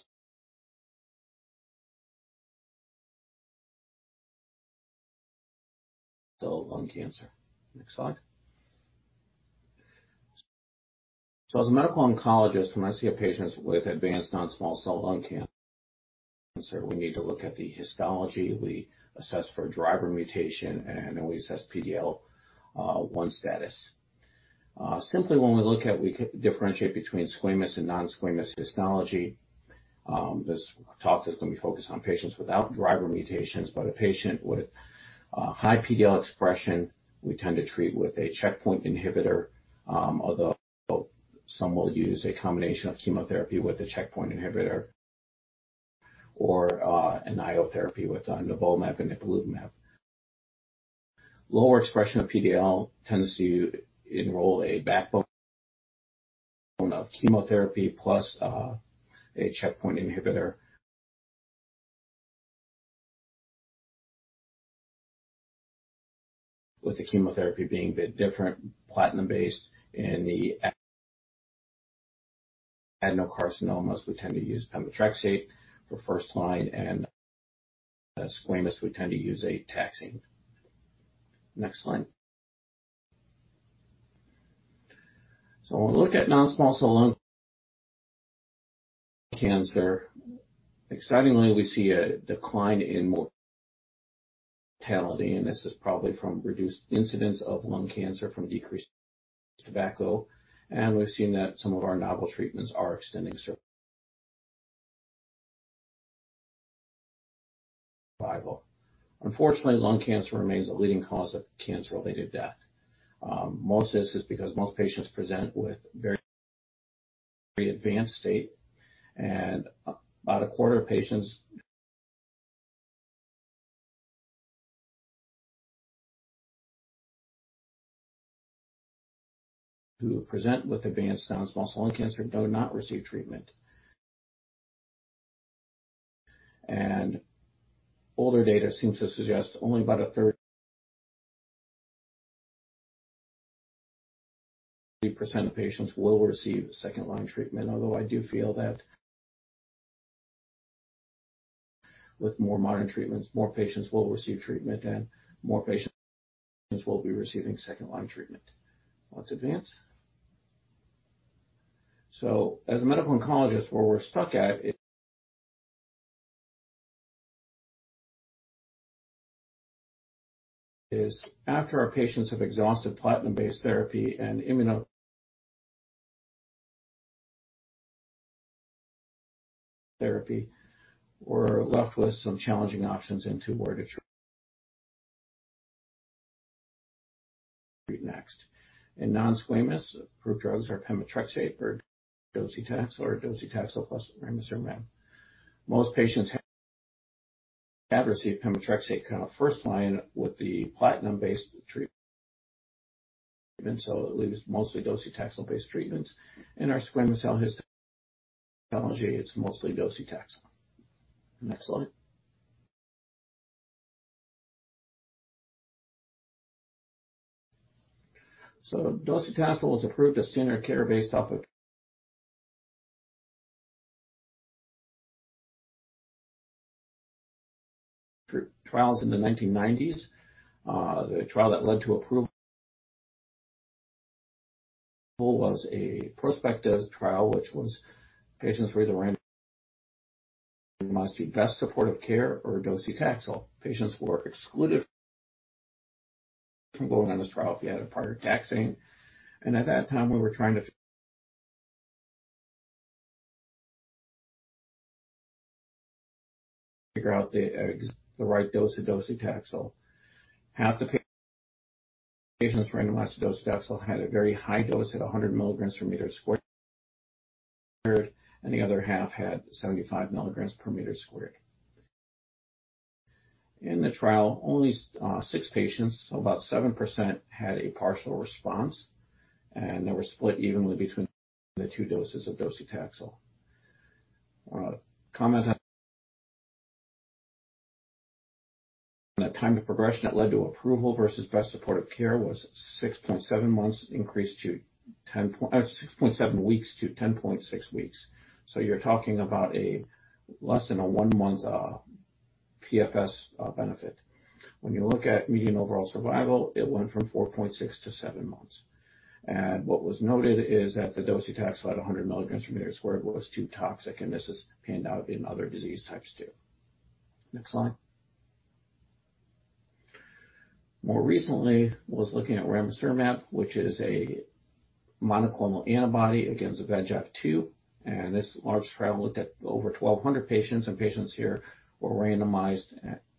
cell lung cancer. Next slide. As a medical oncologist, when I see a patient with advanced non-small cell lung cancer, we need to look at the histology. We assess for driver mutation and always assess PD-L1 status. Simply, when we look at, we differentiate between squamous and non-squamous histology. This talk is going to focus on patients without driver mutations, but a patient with high PD-L expression, we tend to treat with a checkpoint inhibitor, although some will use a combination of chemotherapy with a checkpoint inhibitor or an IO therapy with nivolumab and ipilimumab. Lower expression of PD-L tends to enroll a backbone of chemotherapy plus a checkpoint inhibitor, with the chemotherapy being a bit different, platinum-based. In the adenocarcinomas, we tend to use pemetrexed for first-line, and squamous, we tend to use a taxane. Next slide. When we look at non-small cell lung cancer, excitingly, we see a decline in mortality, and this is probably from reduced incidence of lung cancer from decreased tobacco. We've seen that some of our novel treatments are extending survival. Unfortunately, lung cancer remains a leading cause of cancer-related death. Most of this is because most patients present with very advanced state and about a quarter of patients who present with advanced non-small cell lung cancer do not receive treatment. Older data seems to suggest only about 30% of patients will receive second-line treatment, although I do feel that with more modern treatments, more patients will receive treatment and more patients will be receiving second-line treatment. Let's advance. As a medical oncologist, where we're stuck at is after our patients have exhausted platinum-based therapy and immunotherapy, we're left with some challenging options in tumor treatments. In non-squamous, approved drugs are pemetrexed or docetaxel or docetaxel plus ramucirumab. Most patients have received pemetrexed first line with the platinum-based treatment. It leaves mostly docetaxel-based treatments. In our squamous cell histology, it's mostly docetaxel. Next slide. Docetaxel was approved as standard care based off of trials in the 1990s. The trial that led to approval was a prospective trial, which was patients were randomized to best supportive care or docetaxel. Patients were excluded from going on this trial if they had a prior taxane. At that time, we were trying to figure out the right dose of docetaxel. Half the patients randomized to docetaxel had a very high dose at 100 mg/m2, and the other half had 75 mg/m2. In the trial, only six patients, so about 7%, had a partial response, and they were split evenly between the two doses of docetaxel. Comment on that time to progression that led to approval versus best supportive care was 6.7 weeks-10.6 weeks. You're talking about a less than a one month's PFS benefit. When you look at median overall survival, it went from 4.6 months-7 months. What was noted is that the docetaxel at 100 mg/m2 was too toxic, and this has panned out in other disease types, too. Next slide. More recently, I was looking at ramucirumab, which is a monoclonal antibody against VEGFR-2, and this large trial looked at over 1,200 patients, and patients here were randomized.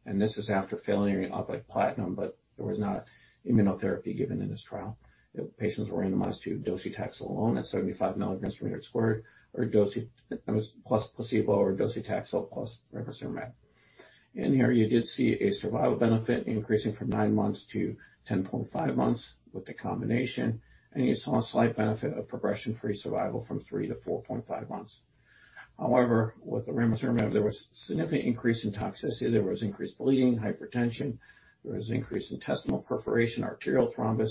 This is after failure of a platinum, but there was not immunotherapy given in this trial. Patients were randomized to docetaxel alone at 75 mg/m2, plus placebo, or docetaxel plus ramucirumab. In here, you did see a survival benefit increasing from nine months to 10.5 months with the combination, and you saw a slight benefit of progression-free survival from 3-4.5 months. With ramucirumab, there was significant increase in toxicity. There was increased bleeding, hypertension. There was increased intestinal perforation, arterial thrombus,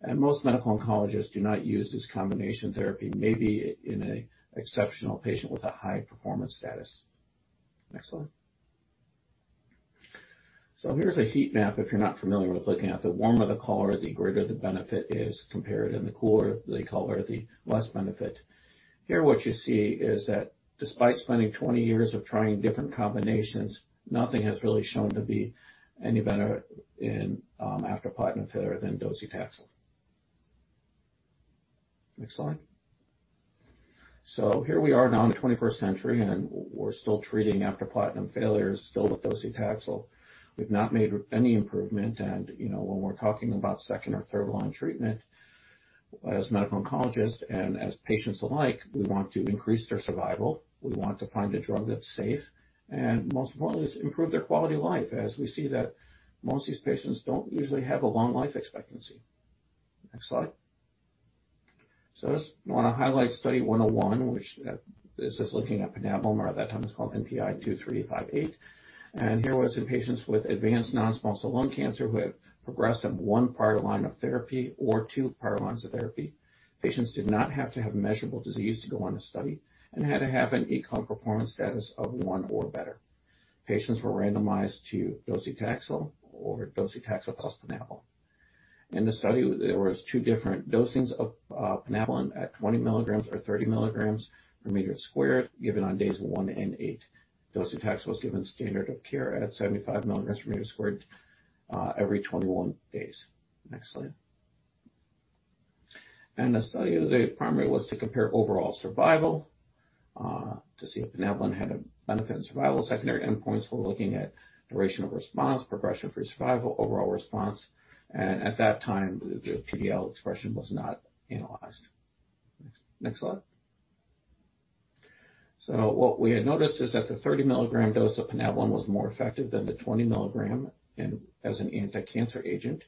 and most medical oncologists do not use this combination therapy, maybe in an exceptional patient with a high-performance status. Next slide. Here's a heat map if you're not familiar with looking at the warmer the color, the greater the benefit is compared, and the cooler the color, the less benefit. Here, what you see is that despite spending 20 years of trying different combinations, nothing has really shown to be any better in after platinum failure than docetaxel. Next slide. Here we are now in the 21st century, and we're still treating after platinum failure, still with docetaxel. We've not made any improvement, and when we're talking about second or third-line treatment as medical oncologists and as patients alike, we want to increase their survival. We want to find a drug that's safe and most importantly, improve their quality of life, as we see that most of these patients don't usually have a long life expectancy. Next slide. I just want to highlight Study 101, which is just looking at plinabulin, at that time it was called NPI-2358. Here was in patients with advanced non-small cell lung cancer who had progressed on one prior line of therapy or two prior lines of therapy. Patients did not have to have measurable disease to go on the study and had to have an ECOG performance status of one or better. Patients were randomized to docetaxel or docetaxel plus plinabulin. In the study, there was two different dosings of plinabulin at 20 mg or 30 mg/m2, given on Days 1 and 8. Docetaxel was given standard of care at 75 mg/m2 every 21 days. Next slide. In the study, the primary was to compare overall survival to see if plinabulin had a benefit in survival. Secondary endpoints were looking at duration of response, progression-free survival, overall response. At that time, the PD-L1 expression was not analyzed. Next slide. What we had noticed is that the 30 mg dose of plinabulin was more effective than the 20 mg as an anticancer agent.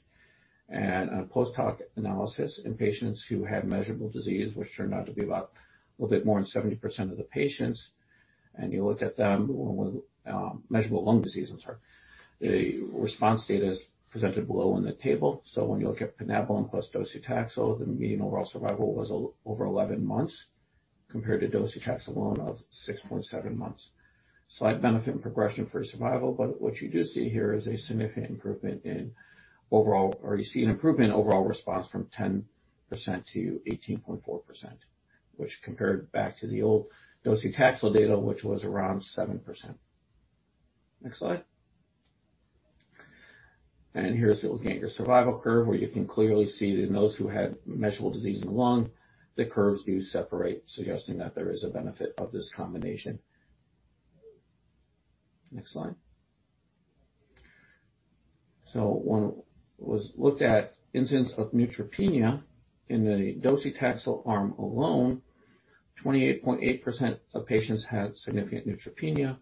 A post hoc analysis in patients who had measurable disease, which turned out to be about a little bit more than 70% of the patients, and you looked at them with measurable lung disease, I'm sorry, the response data is presented below in the table. When you look at plinabulin plus docetaxel, the median overall survival was over 11 months compared to docetaxel alone of 6.7 months. Slight benefit in progression-free survival, but what you do see here is a significant improvement in overall response from 10% to 18.4%, which compared back to the old docetaxel data, which was around 7%. Next slide. Here's looking at your survival curve, where you can clearly see that in those who had measurable disease in the lung, the curves do separate, suggesting that there is a benefit of this combination. Next slide. When it was looked at incidence of neutropenia in the docetaxel arm alone, 28.8% of patients had significant neutropenia,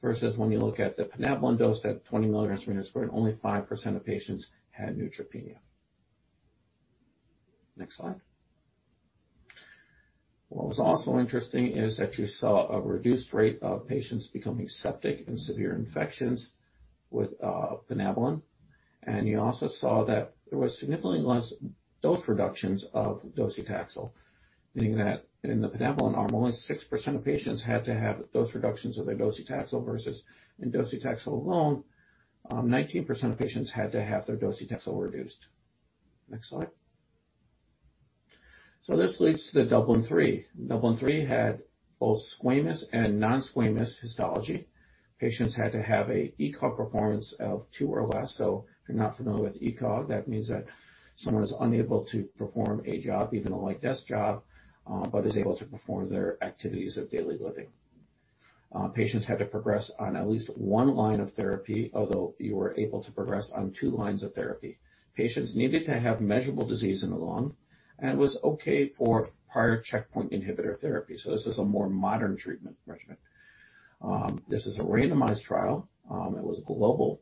versus when we look at the plinabulin dose at 20 mg/m2, only 5% of patients had neutropenia. Next slide. What was also interesting is that you saw a reduced rate of patients becoming septic and severe infections with plinabulin. You also saw that there was significantly less dose reductions of docetaxel, meaning that in the plinabulin arm, only 6% of patients had to have dose reductions of their docetaxel versus in docetaxel alone, 19% of patients had to have their docetaxel reduced. Next slide. This leads to the DUBLIN-3. DUBLIN-3 had both squamous and non-squamous histology. Patients had to have an ECOG performance of 2 or less. If you're not familiar with ECOG, that means that someone is unable to perform a job, even a light desk job, but is able to perform their activities of daily living. Patients had to progress on at least one line of therapy, although you were able to progress on two lines of therapy. Patients needed to have measurable disease in the lung and was okay for prior checkpoint inhibitor therapy. This is a more modern treatment regimen. This is a randomized trial. It was global,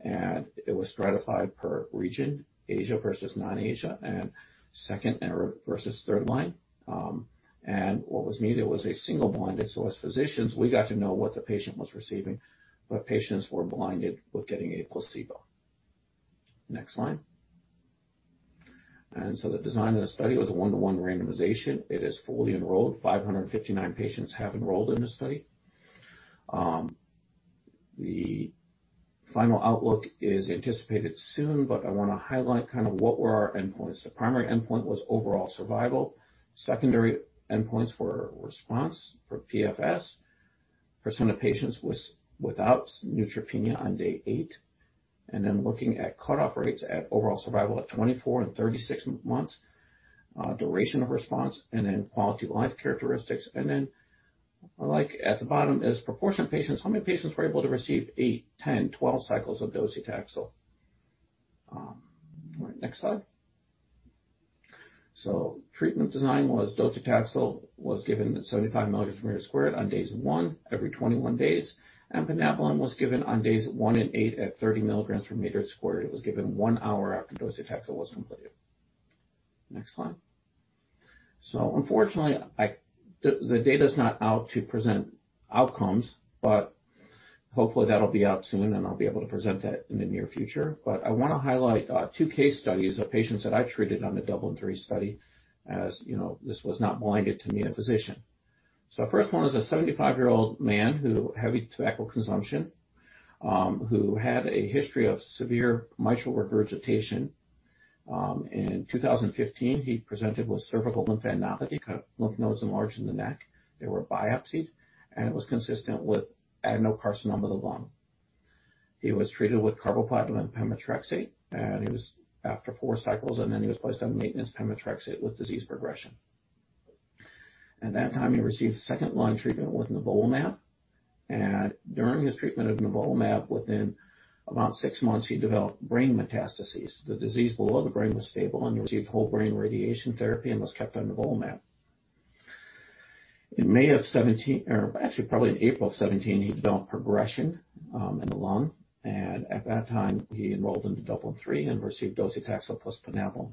and it was stratified per region, Asia versus non-Asia, and second versus third line. What was needed was a single blind. As physicians, we got to know what the patient was receiving, but patients were blinded with getting a placebo. Next slide. The design of the study was a 1-to-1 randomization. It is fully enrolled. 559 patients have enrolled in the study. The final outlook is anticipated soon, but I want to highlight what were our endpoints. The primary endpoint was overall survival. Secondary endpoints were response for PFS, percent of patients without neutropenia on Day 8, and then looking at cutoff rates at overall survival at 24 and 36 months, duration of response, and then quality of life characteristics. At the bottom is proportion of patients, how many patients were able to receive 8, 10, 12 cycles of docetaxel. Next slide. Treatment design was docetaxel was given at 75 mg/m2 on Days 1 every 21 days, and plinabulin was given on Days 1 and 8 at 30 mg/m2. It was given one hour after docetaxel was completed. Next slide. Unfortunately, the data is not out to present outcomes, but hopefully, that'll be out soon, and I'll be able to present that in the near future. I want to highlight two case studies of patients that I treated on the DUBLIN-3 study. As you know, this was not blinded to me, a physician. The first one is a 75-year-old man with heavy tobacco consumption, who had a history of severe mitral regurgitation. In 2015, he presented with cervical lymphadenopathy, lymph nodes enlarged in the neck. They were biopsied, it was consistent with adenocarcinoma of the lung. He was treated with carboplatin and pemetrexed, it was after four cycles, he was placed on maintenance pemetrexed with disease progression. At that time, he received second-line treatment with nivolumab. During his treatment with nivolumab, within about six months, he developed brain metastases. The disease below the brain was stable, he received whole brain radiation therapy and was kept on nivolumab. In May of 2017, or actually probably April 2017, he developed progression in the lung, at that time, he enrolled in DUBLIN-3 and received docetaxel plus plinabulin.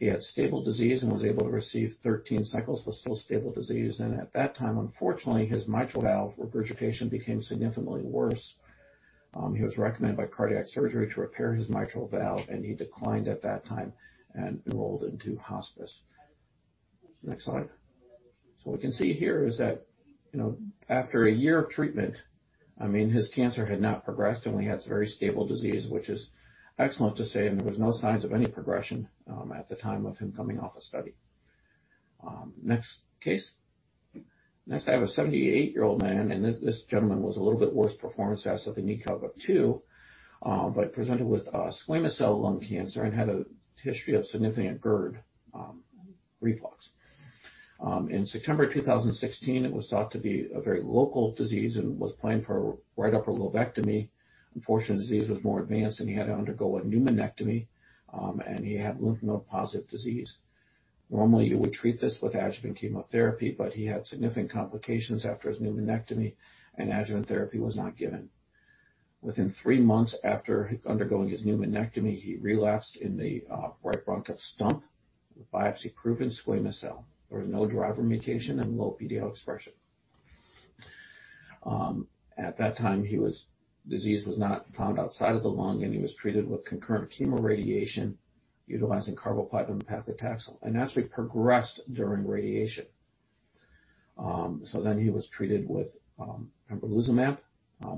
He had stable disease and was able to receive 13 cycles of still stable disease. At that time, unfortunately, his mitral valve regurgitation became significantly worse. He was recommended by cardiac surgery to repair his mitral valve, and he declined at that time and enrolled into hospice. Next slide. What we can see here is that after a year of treatment, his cancer had not progressed, and he had very stable disease, which is excellent to say, and there was no signs of any progression at the time of him coming off the study. Next case. Next, I have a 78-year-old man, and this gentleman was a little bit worse performance status with an ECOG of 2, but presented with squamous cell lung cancer and had a history of significant GERD reflux. In September 2016, it was thought to be a very local disease and was planned for a right upper lobectomy. Unfortunately, the disease was more advanced, and he had to undergo a pneumonectomy, and he had lymph node-positive disease. Normally, you would treat this with adjuvant chemotherapy, but he had significant complications after his pneumonectomy and adjuvant therapy was not given. Within three months after undergoing his pneumonectomy, he relapsed in the right bronchial stump, biopsy-proven squamous cell. There was no driver mutation and low PD-L1 expression. At that time, disease was not found outside of the lung, and he was treated with concurrent chemoradiation utilizing carboplatin and paclitaxel, and actually progressed during radiation. He was treated with avelumab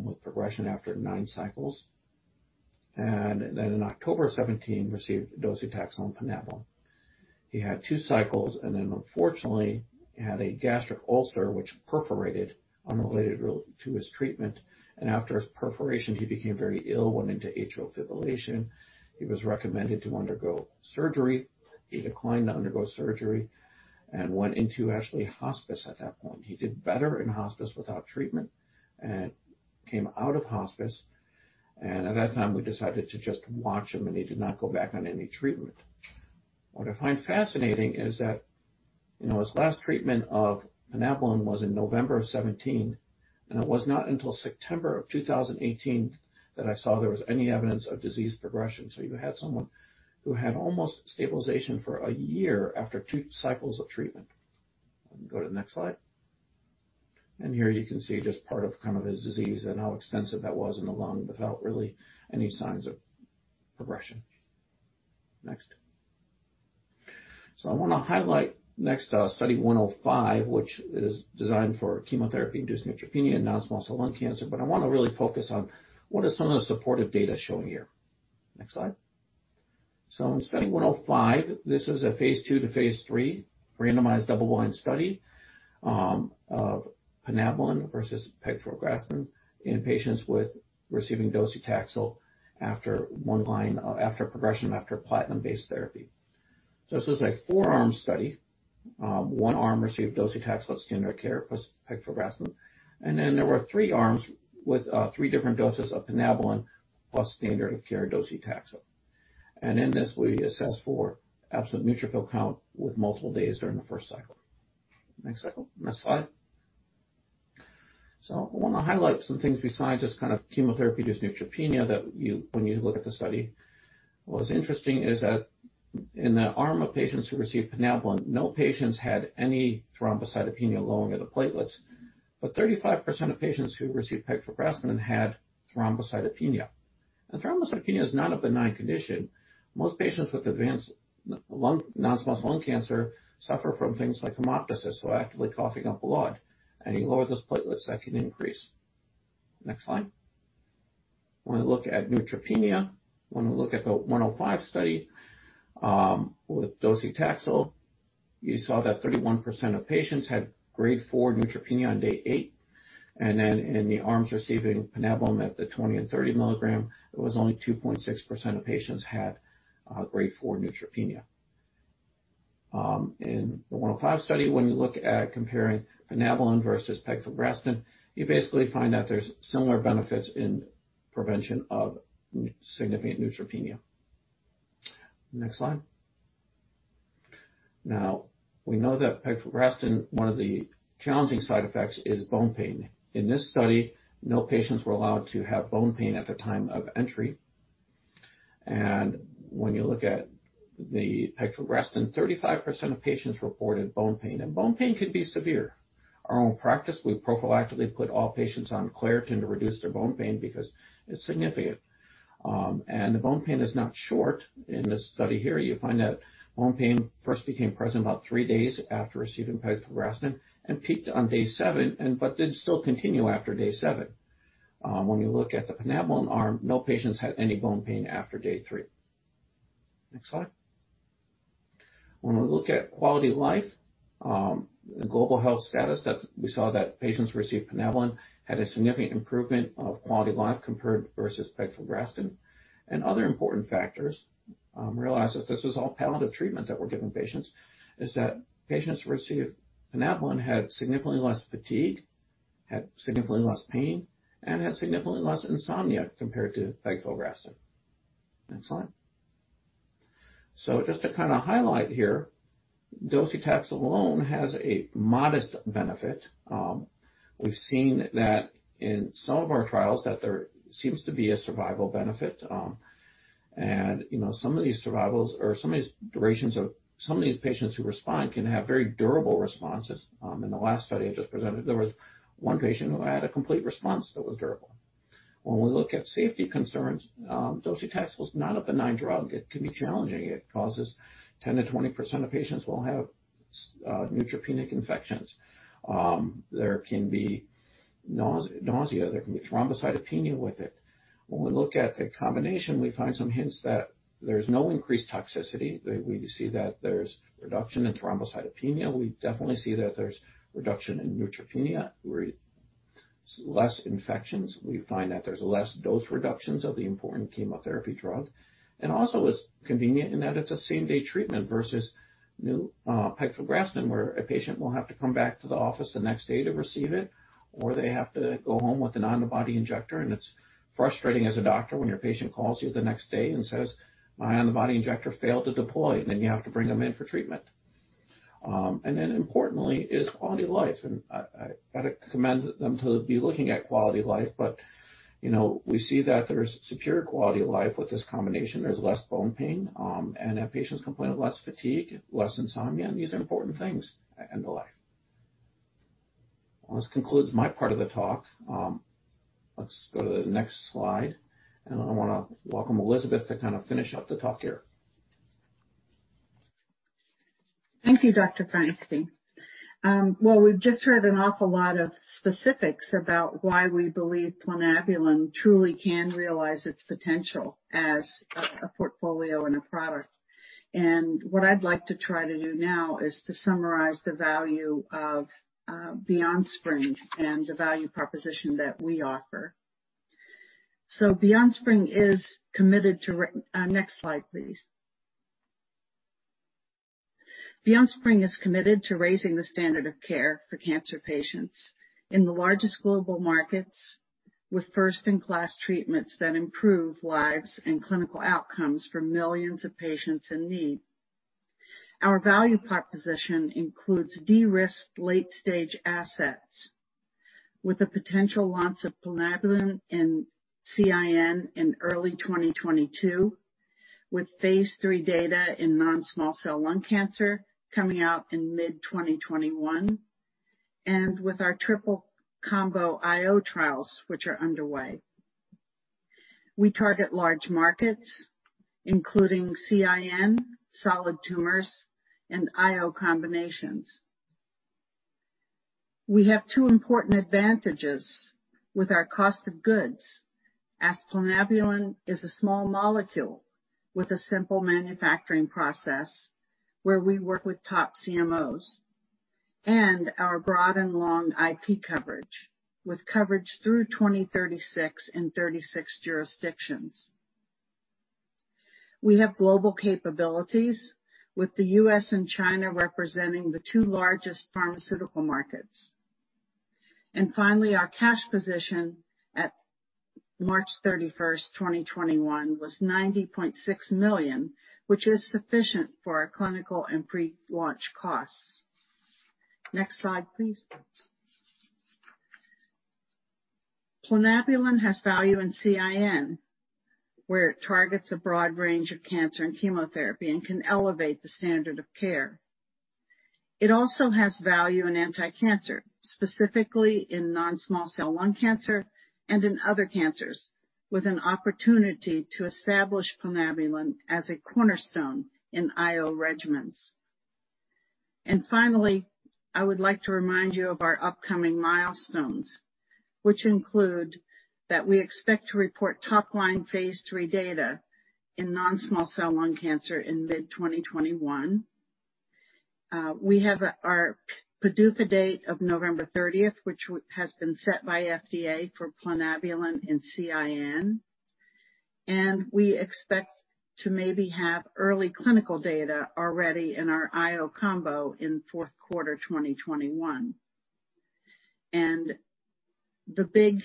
with progression after nine cycles, and then in October 2017, received docetaxel and plinabulin. He had two cycles, and then unfortunately, he had a gastric ulcer which perforated, unrelated really to his treatment. After his perforation, he became very ill and went into atrial fibrillation. He was recommended to undergo surgery. He declined to undergo surgery and went into hospice at that point. He did better in hospice without treatment and came out of hospice, and at that time, we decided to just watch him, and he did not go back on any treatment. What I find fascinating is that his last treatment of plinabulin was in November of 2017, and it was not until September of 2018 that I saw there was any evidence of disease progression. You had someone who had almost stabilization for a year after two cycles of treatment. Go to the next slide. Here you can see just part of his disease and how extensive that was in the lung without really any signs of progression. Next. I want to highlight next Study 105, which is designed for chemotherapy-induced neutropenia, non-small cell lung cancer. I want to really focus on what are some of the supportive data shown here. Next slide. In Study 105, this was a phase II to phase III randomized double-blind study of plinabulin versus pegfilgrastim in patients receiving docetaxel after progression after platinum-based therapy. This is a four-arm study. One arm received docetaxel as standard care plus pegfilgrastim, and then there were three arms with three different doses of plinabulin plus standard of care docetaxel. In this, we assessed for absolute neutrophil count with multiple days during the first cycle. Next slide. I want to highlight some things besides just chemotherapy-induced neutropenia when you look at the study. What's interesting is that in the arm of patients who received plinabulin, no patients had any thrombocytopenia, low end of the platelets, but 35% of patients who received pegfilgrastim had thrombocytopenia. Thrombocytopenia is not a benign condition. Most patients with advanced non-small cell lung cancer suffer from things like hemoptysis, coughing up blood, and you lower those platelets, that can increase. Next slide. When we look at neutropenia, when we look at Study 105, with docetaxel, you saw that 31% of patients had Grade 4 neutropenia on Day 8, and in the arms receiving plinabulin at the 20 and 30 mg, it was only 2.6% of patients had Grade 4 neutropenia. In Study 105, when you look at comparing plinabulin versus pegfilgrastim, you basically find that there's similar benefits in prevention of significant neutropenia. Next slide. Now, we know that pegfilgrastim, one of the challenging side effects is bone pain. In this study, no patients were allowed to have bone pain at the time of entry. When you look at the pegfilgrastim, 35% of patients reported bone pain, and bone pain can be severe. Our own practice, we prophylactically put all patients on Claritin to reduce their bone pain because it's significant. The bone pain is not short. In this study here, you find that bone pain first became present about three days after receiving pegfilgrastim and peaked on Day 7, but did still continue after day seven. When we look at the plinabulin arm, no patients had any bone pain after Day 3. Next slide. Other important factors, realize that this is all palliative treatment that we're giving patients, is that patients who received plinabulin had significantly less fatigue, had significantly less pain, and had significantly less insomnia compared to pegfilgrastim. Next slide. Just to highlight here, docetaxel alone has a modest benefit. We've seen that in some of our trials that there seems to be a survival benefit. Some of these patients who respond can have very durable responses. In the last study I just presented, there was one patient who had a complete response that was durable. When we look at safety concerns, docetaxel is not a benign drug. It can be challenging. It causes 10%-20% of patients will have neutropenic infections. There can be nausea, there can be thrombocytopenia with it. When we look at the combination, we find some hints that there's no increased toxicity. We see that there's reduction in thrombocytopenia. We definitely see that there's reduction in neutropenia, less infections. We find that there's less dose reductions of the important chemotherapy drug. It's convenient in that it's a same-day treatment versus pegfilgrastim, where a patient will have to come back to the office the next day to receive it, or they have to go home with an antibody injector. It's frustrating as a doctor when your patient calls you the next day and says, "My antibody injector failed to deploy" then you have to bring them in for treatment. Importantly is quality of life. I commend them to be looking at quality of life, but we see that there's superior quality of life with this combination. There's less bone pain, and that patients complain of less fatigue, less insomnia, and these are important things at end of life. Well, this concludes my part of the talk. Let's go to the next slide, and I want to welcome Elizabeth to finish up the talk here. Thank you, Dr. Feinstein. Well, we've just heard an awful lot of specifics about why we believe plinabulin truly can realize its potential as a portfolio and a product. What I'd like to try to do now is to summarize the value of BeyondSpring and the value proposition that we offer. BeyondSpring is committed to... Next slide, please. BeyondSpring is committed to raising the standard of care for cancer patients in the largest global markets with first-in-class treatments that improve lives and clinical outcomes for millions of patients in need. Our value proposition includes de-risked late-stage assets with the potential launch of plinabulin and CIN in early 2022, with phase III data in non-small cell lung cancer coming out in mid-2021, and with our triple combo IO trials, which are underway. We target large markets, including CIN, solid tumors, and IO combinations. We have two important advantages with our cost of goods, as plinabulin is a small molecule with a simple manufacturing process, where we work with top CMOs and our broad and long IP coverage, with coverage through 2036 in 36 jurisdictions. We have global capabilities with the U.S. and China representing the two largest pharmaceutical markets. Finally, our cash position at March 31st, 2021, was $90.6 million, which is sufficient for our clinical and pre-launch costs. Next slide, please. Plinabulin has value in CIN, where it targets a broad range of cancer and chemotherapy and can elevate the standard of care. It also has value in anticancer, specifically in non-small cell lung cancer and in other cancers, with an opportunity to establish plinabulin as a cornerstone in IO regimens. Finally, I would like to remind you of our upcoming milestones, which include that we expect to report top-line phase III data in non-small cell lung cancer in mid-2021. We have our PDUFA date of November 30th, which has been set by FDA for plinabulin and CIN. We expect to maybe have early clinical data already in our IO combo in fourth quarter 2021. The big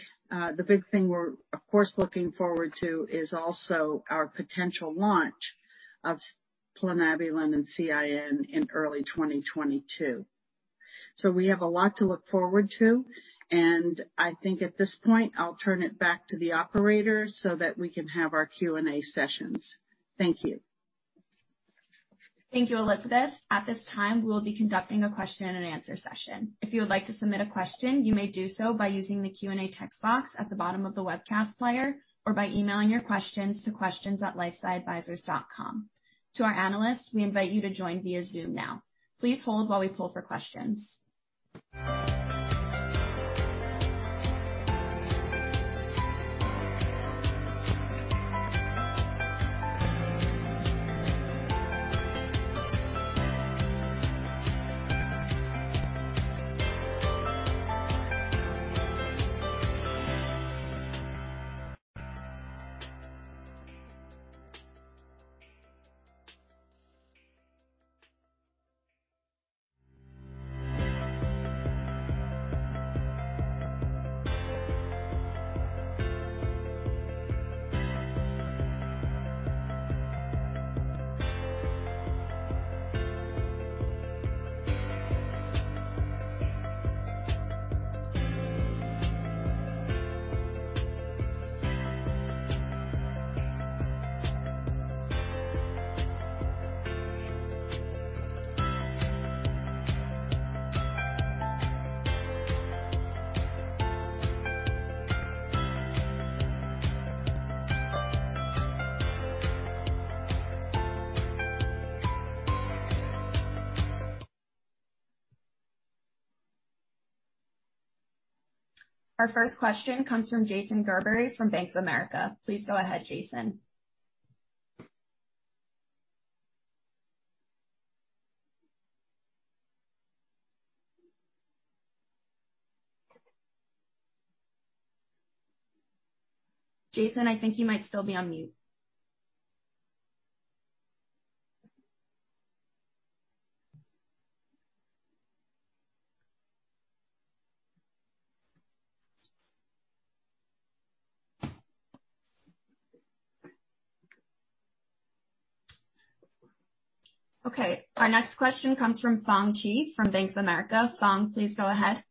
thing we're, of course, looking forward to is also our potential launch of plinabulin and CIN in early 2022. We have a lot to look forward to, and I think at this point, I'll turn it back to the operator so that we can have our Q&A sessions. Thank you. Thank you, Elizabeth. At this time, we'll be conducting a question-and-answer session. If you would like to submit a question, you may do so by using the Q&A text box at the bottom of the webcast player or by emailing your questions to questions@lifesciadvisors.com. To our analysts, we invite you to join via Zoom now. Please hold while we poll for questions. Our first question comes from Jason Gerberry from Bank of America. Please go ahead, Jason. Jason, I think you might still be on mute. Okay, our next question comes from Fong Chi from Bank of America. Fong, please go ahead.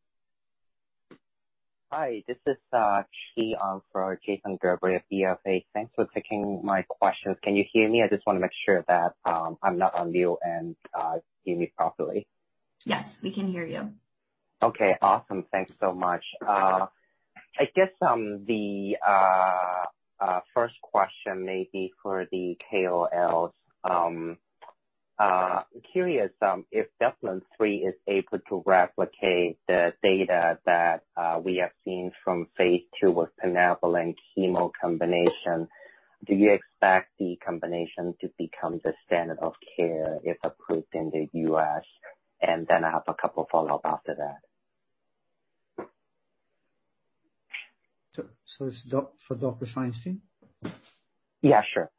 Hi, this is Chi for Jason Gerberry at BofA. Thanks for taking my questions. Can you hear me? I just want to make sure that I'm not on mute and you hear me properly. Yes, we can hear you. Okay, awesome. Thanks so much. I guess, the first question may be for the KOLs. Curious, if DUBLIN-3 is able to replicate the data that we have seen from phase II with plinabulin chemo combination, do you expect the combination to become the standard of care if approved in the U.S.? I have a couple of follow-ups after that. This is for Dr. Feinstein? Yeah, sure.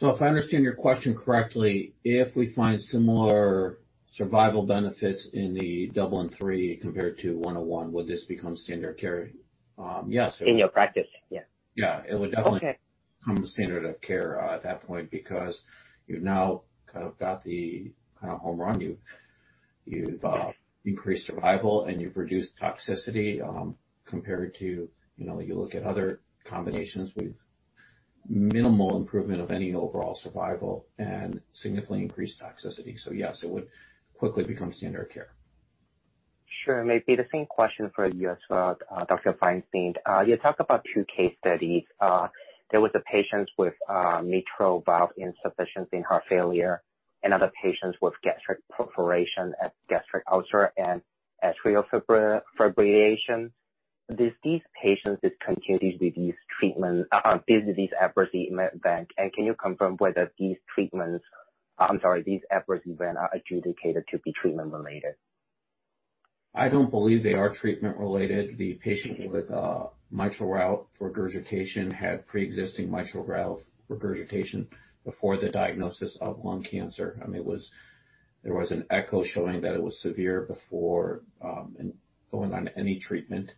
If I understand your question correctly, if we find similar survival benefits in the DUBLIN-3 compared to Study 101, will this become standard of care? Yes. In your practice, yeah. Yeah. Okay It would only become standard of care at that point because you've now kind of got the home run. You've increased survival, and you've reduced toxicity compared to, you look at other combinations with minimal improvement of any overall survival and significantly increased toxicity. Yes, it would quickly become standard of care. Sure. Maybe the same question for you as well, Dr. Feinstein. You talked about two case studies. There was a patient with mitral valve insufficiency and heart failure and other patients with gastric perforation and gastric ulcer and atrial fibrillation. Did these patients continue with these adverse events? Can you confirm whether these adverse events are adjudicated to be treatment-related? I don't believe they are treatment-related. The patient with mitral valve regurgitation had preexisting mitral valve regurgitation before the diagnosis of lung cancer. I mean, there was an echo showing that it was severe before going on any treatment.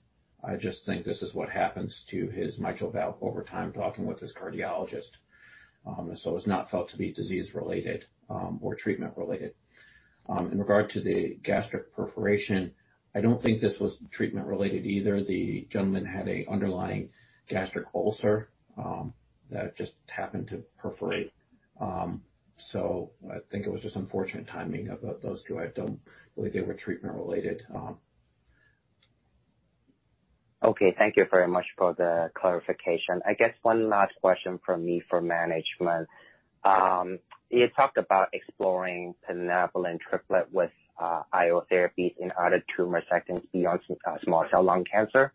I just think this is what happens to his mitral valve over time, talking with his cardiologist. It's not felt to be disease-related or treatment-related. In regard to the gastric perforation, I don't think this was treatment-related either. The gentleman had an underlying gastric ulcer that just happened to perforate. I think it was just unfortunate timing of those two. I don't believe they were treatment-related. Okay. Thank you very much for the clarification. I guess one last question from me for management. You talked about exploring plinabulin triplet with IO therapies in other tumor settings beyond small cell lung cancer,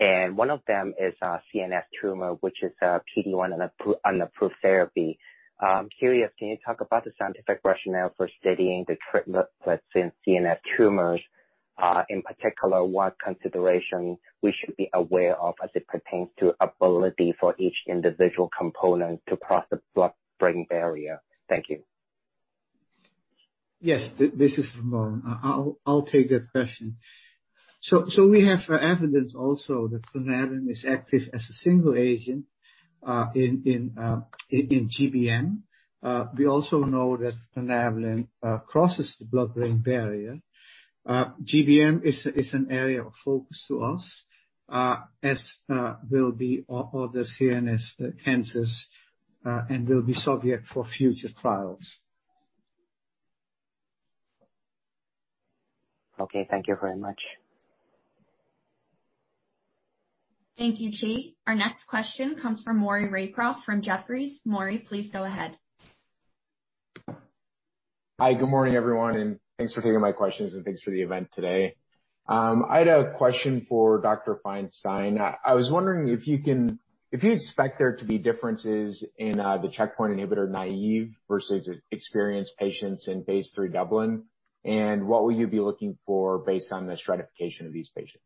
and one of them is CNS tumor, which is a PD-1 approved therapy. I'm curious, can you talk about the scientific rationale for studying the triplet in CNS tumors? In particular, what considerations we should be aware of as it pertains to ability for each individual component to cross the blood-brain barrier. Thank you. Yes. This is Ramon. I'll take that question. We have evidence also that plinabulin is active as a single agent in GBM. We also know that plinabulin crosses the blood-brain barrier. GBM is an area of focus to us as will be other CNS cancers and will be subject for future trials. Okay. Thank you very much. Thank you, Chi. Our next question comes from Maury Raycroft from Jefferies. Maury, please go ahead. Hi. Good morning, everyone, and thanks for taking my questions and thanks for the event today. I had a question for Dr. Feinstein. I was wondering if you expect there to be differences in the checkpoint inhibitor-naive versus experienced patients in phase III DUBLIN-3, and what would you be looking for based on the stratification of these patients?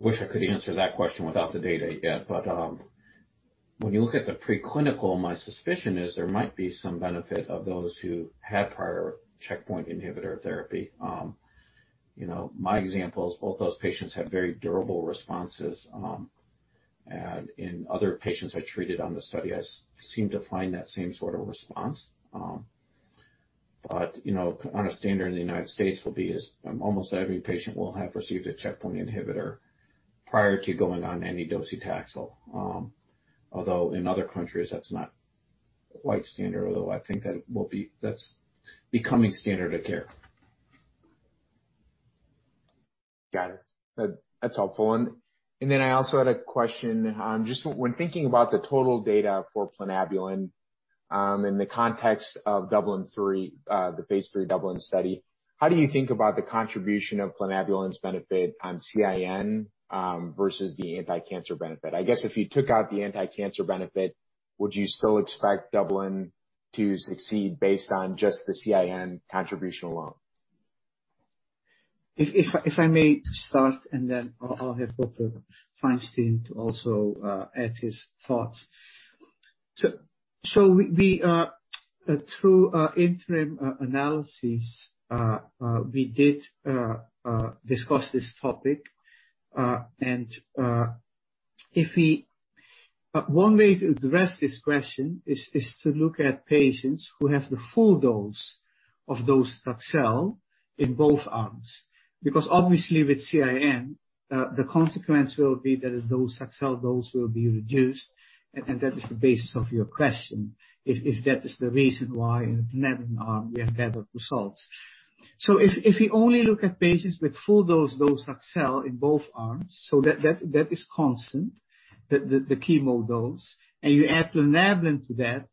Wish I could answer that question without the data yet, but when you look at the preclinical, my suspicion is there might be some benefit of those who had prior checkpoint inhibitor therapy. My example is both those patients have very durable responses. In other patients I treated on the study, I seem to find that same sort of response. Our standard in the U.S. will be is almost every patient will have received a checkpoint inhibitor prior to going on any docetaxel, although in other countries, that's not quite standard, although I think that's becoming standard of care. Got it. That's helpful. I also had a question, just when thinking about the total data for plinabulin in the context of the phase III DUBLIN-3 study, how do you think about the contribution of plinabulin's benefit on CIN versus the anticancer benefit? I guess if you took out the anticancer benefit, would you still expect DUBLIN-3 to succeed based on just the CIN contribution alone? If I may start, and then I'll have Dr. Feinstein to also add his thoughts. Through interim analysis, we did discuss this topic. One way to address this question is to look at patients who have the full dose of docetaxel in both arms. Because obviously with CIN, the consequence will be that docetaxel dose will be reduced, and that is the basis of your question, if that is the reason why in plinabulin arm we have better results. If we only look at patients with full dose docetaxel in both arms, so that is constant, the chemo dose, and you add plinabulin to that,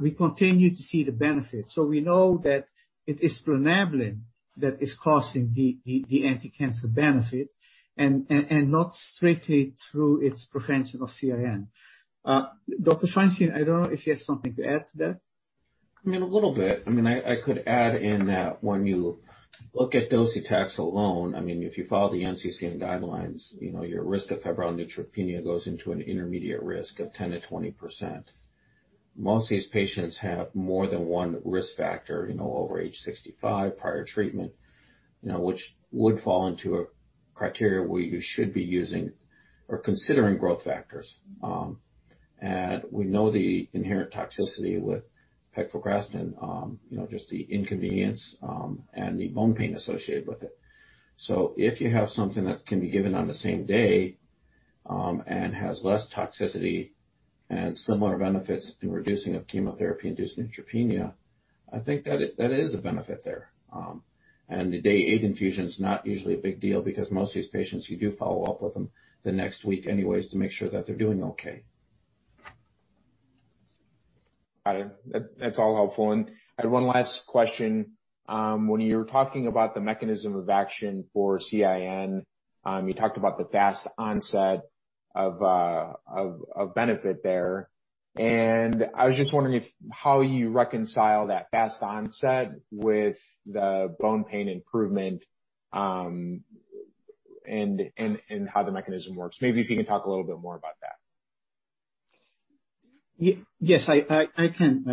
we continue to see the benefit. We know that it is plinabulin That is causing the anti-cancer benefit and not strictly through its prevention of CIN. Dr. Feinstein, I don't know if you have something to add to that. A little bit. I could add in that when you look at docetaxel alone, if you follow the NCCN guidelines, your risk of febrile neutropenia goes into an intermediate risk of 10%-20%. Most of these patients have more than one risk factor, over age 65, prior treatment, which would fall into a criteria where you should be using or considering growth factors. We know the inherent toxicity with pegfilgrastim, just the inconvenience, and the bone pain associated with it. If you have something that can be given on the same day, and has less toxicity and similar benefits in reducing of chemotherapy-induced neutropenia, I think that is a benefit there. The Day 8 infusion is not usually a big deal because most of these patients, we do follow up with them the next week anyways to make sure that they're doing okay. That's all helpful. I had one last question. When you were talking about the mechanism of action for CIN, you talked about the fast onset of benefit there. I was just wondering how you reconcile that fast onset with the bone pain improvement, how the mechanism works. Maybe if you can talk a little bit more about that. Yes. I can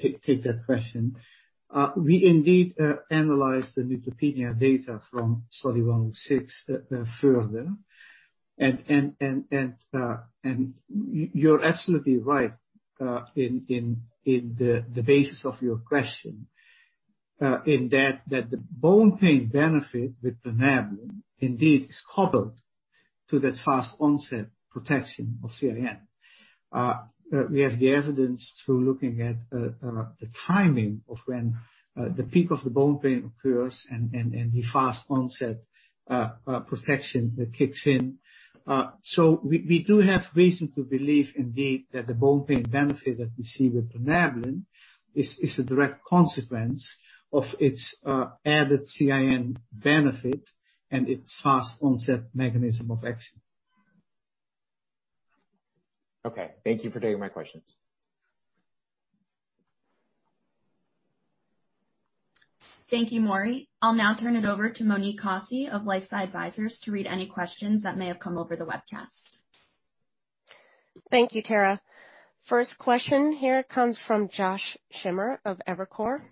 take that question. We indeed analyzed the neutropenia data from Study 106 further, and you're absolutely right in the basis of your question, in that the bone pain benefit with plinabulin indeed is coupled to the fast onset protection of CIN. We have the evidence through looking at the timing of when the peak of the bone pain occurs and the fast onset protection that kicks in. We do have reason to believe indeed that the bone pain benefit that we see with plinabulin is a direct consequence of its added CIN benefit and its fast onset mechanism of action. Okay. Thank you for taking my questions. Thank you, Maury. I'll now turn it over to Monique Kosse of LifeSci Advisors to read any questions that may have come over the webcast. Thank you, Tara. First question here comes from Josh Schimmer of Evercore.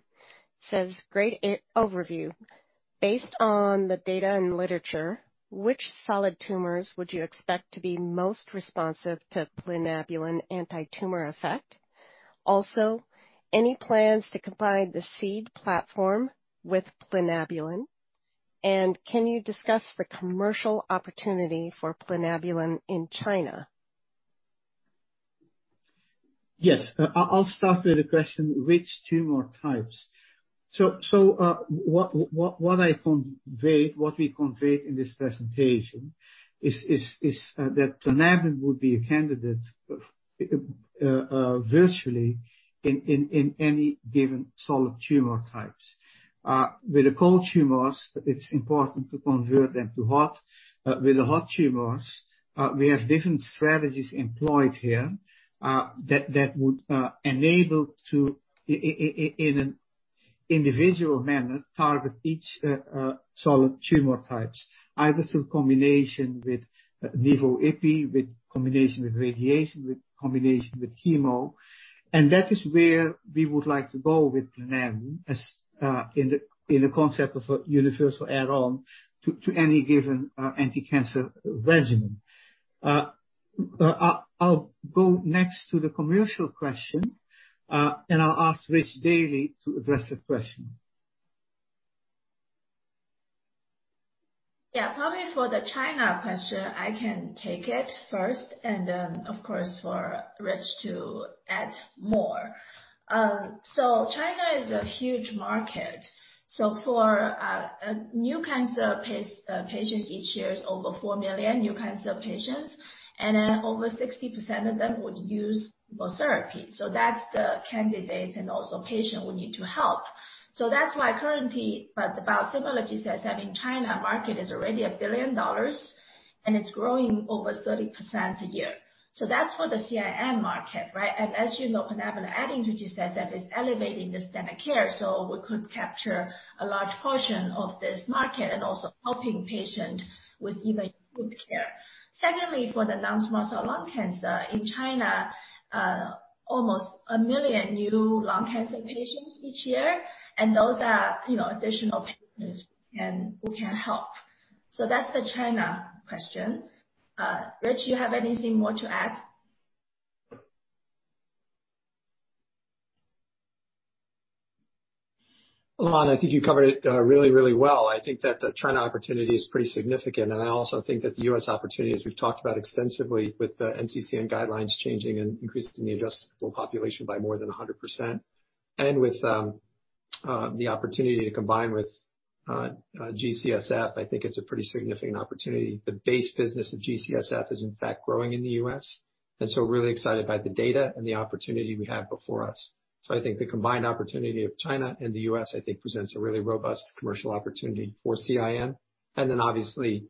Says, "Great overview. Based on the data and literature, which solid tumors would you expect to be most responsive to plinabulin anti-tumor effect? Any plans to combine the SEED platform with plinabulin? Can you discuss the commercial opportunity for plinabulin in China? Yes. I'll start with the question, which tumor types? What we conveyed in this presentation is that plinabulin would be a candidate virtually in any given solid tumor types. With the cold tumors, it's important to convert them to hot. With the hot tumors, we have different strategies employed here, that would enable to, in an individual manner, target each solid tumor types, either through combination with de novo epi, with combination with radiation, with combination with chemo. That is where we would like to go with plinabulin in the concept of a universal add-on to any given anti-cancer regimen. I'll go next to the commercial question, and I'll ask Rich Daly to address that question. Yeah. Probably for the China question, I can take it first and then, of course, for Rich to add more. China is a huge market. For new cancer patients each year is over four million new cancer patients, and over 60% of them would use therapy. That's the candidate and also patient we need to help. That's why currently the biosimilar G-CSF in China market is already $1 billion, and it's growing over 30% a year. That's for the CIN market, right? As you know, plinabulin added to G-CSF is elevating the standard of care, so we could capture a large portion of this market and also helping patient with even good care. Secondly, for the non-small cell lung cancer, in China, almost one million new lung cancer patients each year, and those are additional patients we can help. That's the China question. Rich, you have anything more to add? Lan, I think you covered it really well. I also think that the U.S. opportunity, as we've talked about extensively with the NCCN guidelines changing and increasing the addressable population by more than 100%, and with the opportunity to combine with G-CSF, I think it's a pretty significant opportunity. The base business of G-CSF is in fact growing in the U.S. We're really excited about the data and the opportunity we have before us. I think the combined opportunity of China and the U.S., I think, presents a really robust commercial opportunity for CIN and then obviously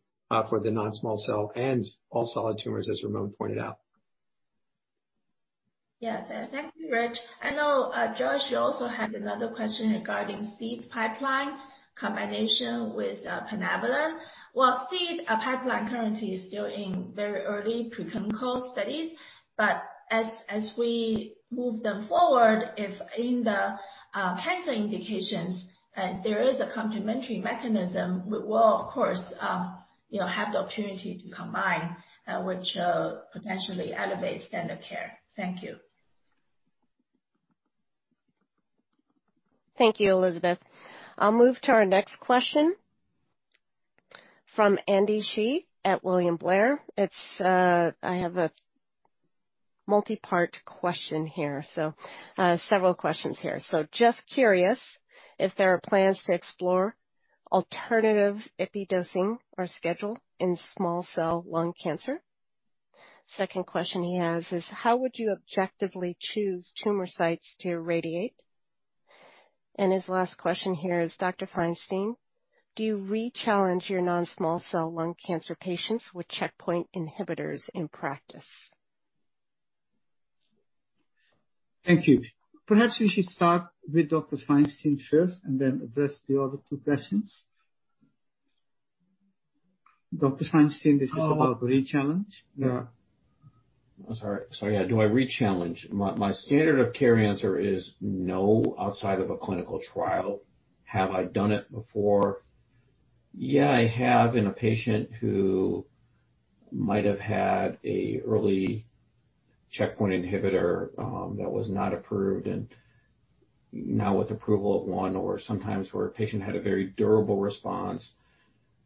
for the non-small cell and all solid tumors, as Ramon pointed out. Yes, thank you, Rich. I know, Josh, you also had another question regarding SEED pipeline combination with plinabulin. SEED pipeline currently is still in very early preclinical studies, but as we move them forward, if in the cancer indications there is a complementary mechanism, we will, of course, have the opportunity to combine, which will potentially elevate standard of care. Thank you. Thank you, Elizabeth. I'll move to our next question from Andy Hsieh at William Blair. I have a multi-part question here, so several questions here. Just curious if there are plans to explore alternative ipi dosing or schedule in small cell lung cancer. Second question he has is, how would you objectively choose tumor sites to irradiate? His last question here is, Dr. Feinstein, do you re-challenge your non-small cell lung cancer patients with checkpoint inhibitors in practice? Thank you. Perhaps we should start with Dr. Feinstein first and then address the other two questions. Dr. Feinstein, this is about re-challenge. Sorry. Do I re-challenge? My standard of care answer is no, outside of a clinical trial. Have I done it before? Yeah, I have in a patient who might have had an early checkpoint inhibitor that was not approved and now with approval of one or sometimes where a patient had a very durable response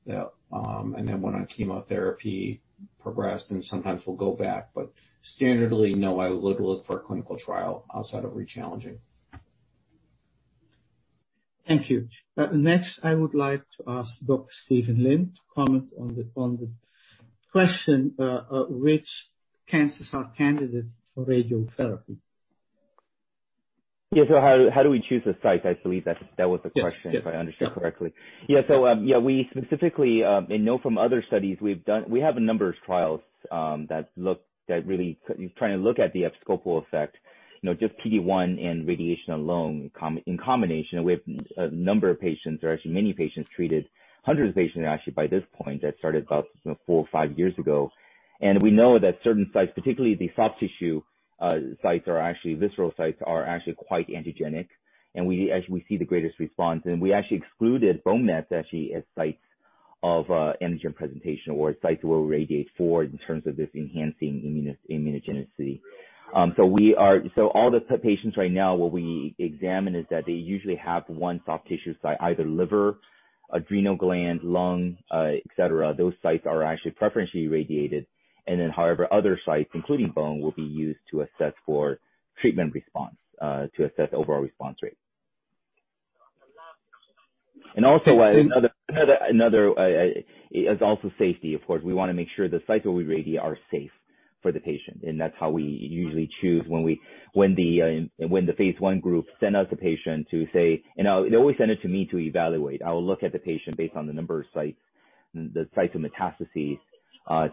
and then went on chemotherapy, progressed, and sometimes we'll go back. Standardly, no, I would look for a clinical trial outside of re-challenging. Thank you. Next, I would like to ask Dr. Stephen Lin to comment on the question, which cancers are candidates for radiotherapy? Yeah. How do we choose the sites? I believe that was the question, if I understood correctly. Yes. We specifically know from other studies we've done, we have a number of trials that really try to look at the abscopal effect, just PD-1 and radiation alone in combination. We have a number of patients, or actually many patients treated, hundreds of patients actually by this point that started about four or five years ago. We know that certain sites, particularly the soft tissue sites or actually visceral sites, are actually quite antigenic, and we actually see the greatest response. We actually excluded bone mets actually as sites of antigen presentation or sites we'll irradiate for in terms of this enhancing immunogenicity. All the patients right now, what we examine is that they usually have one soft tissue site, either liver, adrenal gland, lung, et cetera. Those sites are actually preferentially irradiated. However, other sites, including bone, will be used to assess for treatment response, to assess overall response rate. Also, it's also safety. Of course, we want to make sure the sites we irradiate are safe for the patient, and that's how we usually choose when the phase I group send out the patient to say, and they always send it to me to evaluate. I will look at the patient based on the number of sites, the sites of metastases,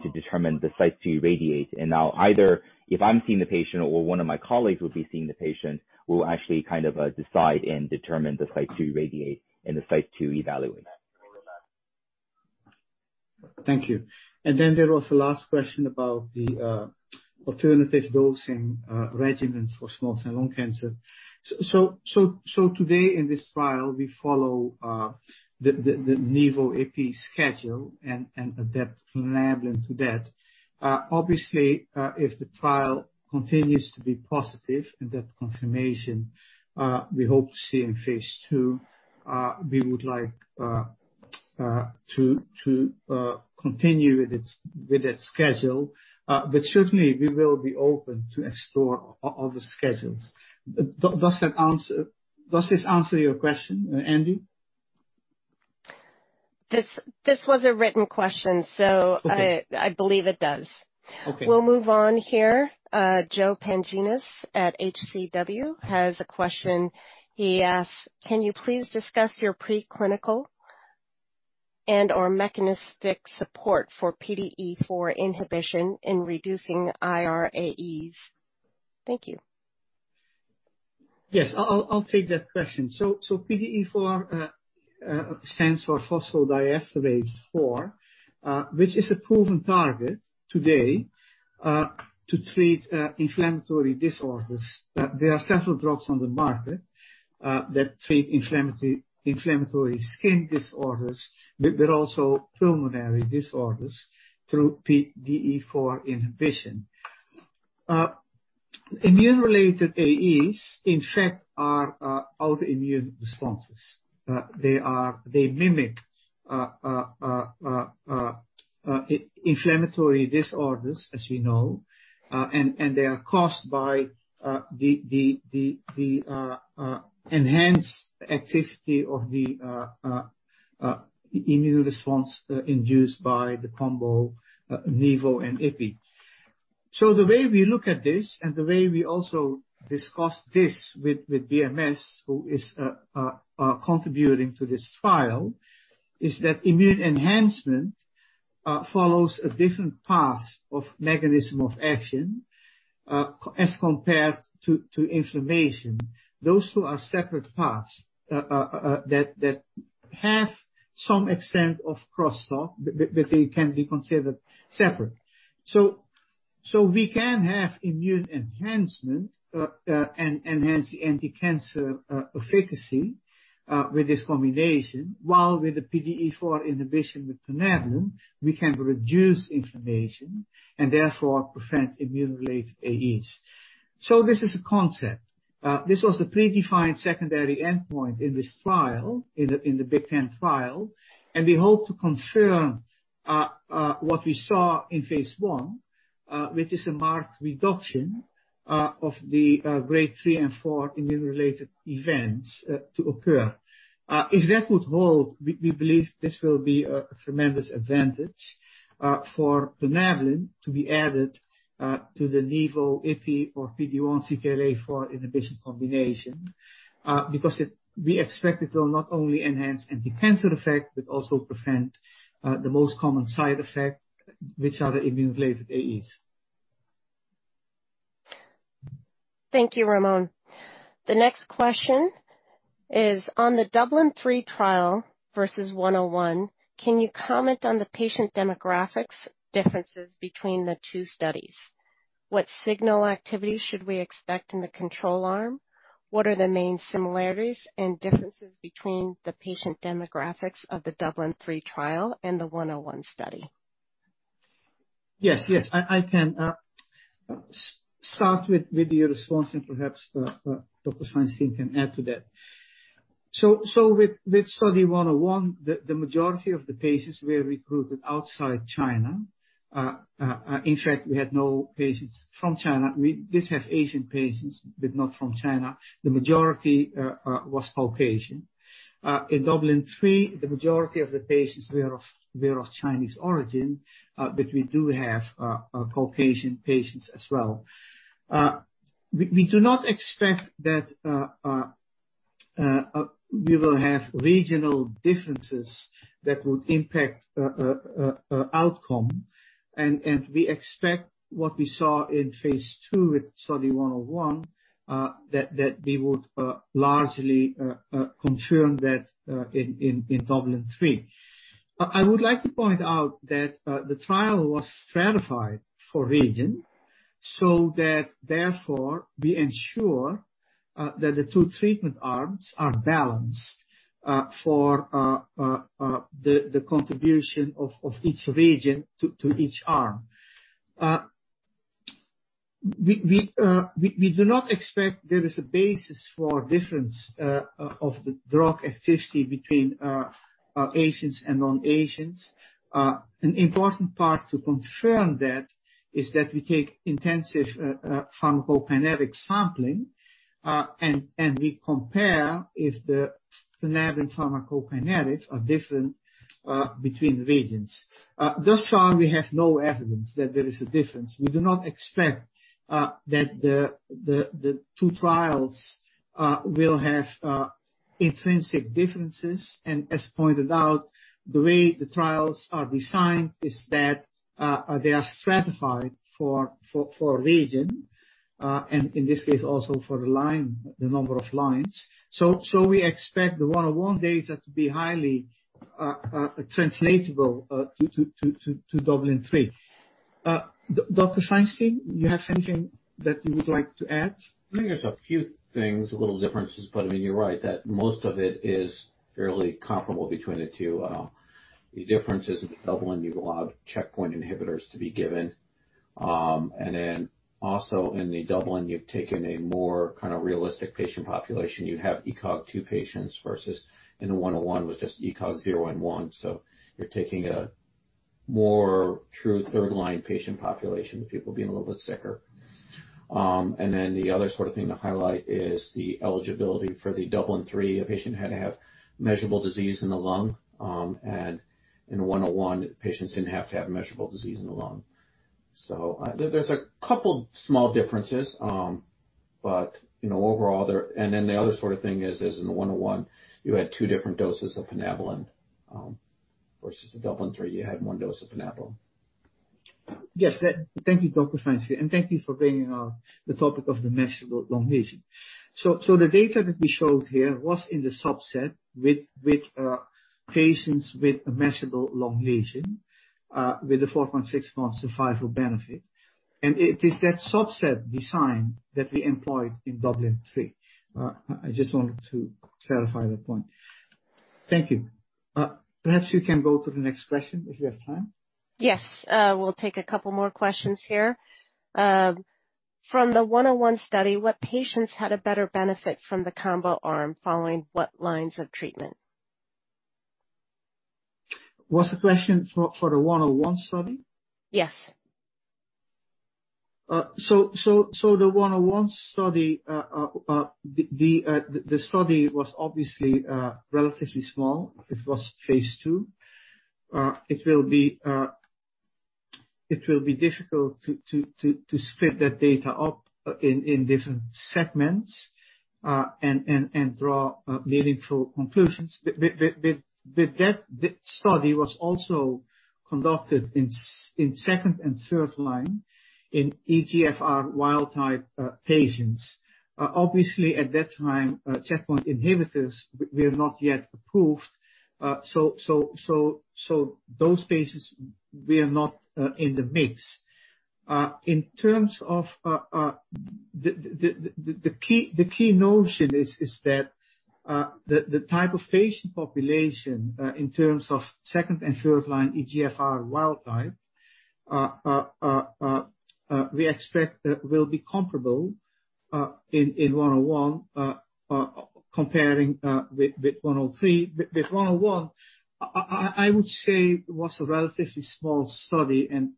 to determine the sites to irradiate. I'll either, if I'm seeing the patient or one of my colleagues will be seeing the patient, we'll actually kind of decide and determine the sites to irradiate and the sites to evaluate. Thank you. There was the last question about the alternative dosing regimens for small cell lung cancer. Today in this trial, we follow the nivo/ipi schedule and adapt plinabulin to that. Obviously, if the trial continues to be positive and that confirmation we hope to see in phase II, we would like to continue with its schedule. Certainly, we will be open to explore other schedules. Does this answer your question, Andy? This was a written question. Okay. I believe it does. Okay. We'll move on here. Joe Pantginis at H.C. Wainwright & Co. has a question. He asks, "Can you please discuss your preclinical and/or mechanistic support for PDE4 inhibition in reducing IRAEs?" Thank you. Yes, I'll take that question. PDE4 stands for phosphodiesterase 4, which is a proven target today to treat inflammatory disorders. There are several drugs on the market that treat inflammatory skin disorders, but also pulmonary disorders through PDE4 inhibition. Immune-related AEs, in fact, are autoimmune responses. They mimic inflammatory disorders, as you know, and they are caused by the enhanced activity of the immune response induced by the combo nivo and ipi. The way we look at this, and the way we also discuss this with BMS, who is contributing to this trial, is that immune enhancement follows a different path of mechanism of action, as compared to inflammation. Those two are separate paths that have some extent of crosstalk, but they can be considered separate. We can have immune enhancement, and hence the anticancer efficacy with this combination, while with the PDE4 inhibition with plinabulin, we can reduce inflammation and therefore prevent immune-related AEs. This is a concept. This was a predefined secondary endpoint in this trial, in the BIG BANG trial, and we hope to confirm what we saw in phase I, which is a marked reduction of the Grade 3 and 4 immune-related events to occur. If that would hold, we believe this will be a tremendous advantage for plinabulin to be added to the nivolumab, ipilimumab, or PD-1/CTLA-4 inhibition combination because we expect it will not only enhance anticancer effect but also prevent the most common side effect, which are the immune-related AEs. Thank you, Ramon. The next question is on the DUBLIN-3 trial versus Study 101. Can you comment on the patient demographics differences between the two studies? What signal activity should we expect in the control arm? What are the main similarities and differences between the patient demographics of the DUBLIN-3 trial and the Study 101? Yes. I can start with maybe a response and perhaps Dr. Feinstein can add to that. With Study 101, the majority of the patients were recruited outside China. In fact, we had no patients from China. We did have Asian patients, but not from China. The majority was Caucasian. In DUBLIN-3, the majority of the patients were of Chinese origin, but we do have Caucasian patients as well. We do not expect that we will have regional differences that would impact outcome, and we expect what we saw in phase II with Study 101, that we would largely confirm that in DUBLIN-3. I would like to point out that the trial was stratified for region, so that therefore we ensure that the two treatment arms are balanced for the contribution of each region to each arm. We do not expect there is a basis for difference of the drug efficacy between Asians and non-Asians. An important part to confirm that is that we take intensive pharmacokinetic sampling, and we compare if the plinabulin pharmacokinetics are different between the regions. Thus far, we have no evidence that there is a difference. We do not expect that the two trials will have intrinsic differences, and as pointed out, the way the trials are designed is that they are stratified for region, and in this case, also for the number of lines. We expect the 101 data to be highly translatable to DUBLIN-3. Dr. Feinstein, you have anything that you would like to add? There's a few things, little differences, but you're right that most of it is fairly comparable between the two. The difference is in DUBLIN-3, you allow checkpoint inhibitors to be given. Also in the DUBLIN-3, you've taken a more kind of realistic patient population. You have ECOG 2 patients versus in Study 101 with just ECOG 0 and 1. You're taking a more true third-line patient population, people being a little bit sicker. The other sort of thing to highlight is the eligibility for the DUBLIN-3, a patient had to have measurable disease in the lung. In Study 101, patients didn't have to have measurable disease in the lung. There's a couple small differences. The other sort of thing is in Study 101, you had two different doses of plinabulin, versus in DUBLIN-3, you had one dose of plinabulin. Yes. Thank you, Dr. Feinstein, and thank you for bringing up the topic of the measurable lung lesion. The data that we showed here was in the subset with patients with a measurable lung lesion with a 4.6-month survival benefit. It is that subset design that we employed in DUBLIN-3. I just wanted to clarify the point. Thank you. Perhaps we can go to the next question if there's time. Yes. We'll take a couple more questions here. From the Study 101, what patients had a better benefit from the combo arm following what lines of treatment? Was the question for the Study 101? Yes. The Study 101 was obviously relatively small. It was phase II. It will be difficult to split that data up in different segments, and draw meaningful conclusions. That study was also conducted in second and third line in EGFR wild type patients. Obviously, at that time, checkpoint inhibitors were not yet approved, those patients were not in the mix. In terms of the key notion is that the type of patient population, in terms of second and third line EGFR wild type, we expect that will be comparable in Study 101 comparing with Study 103. With Study 101, I would say it was a relatively small study, and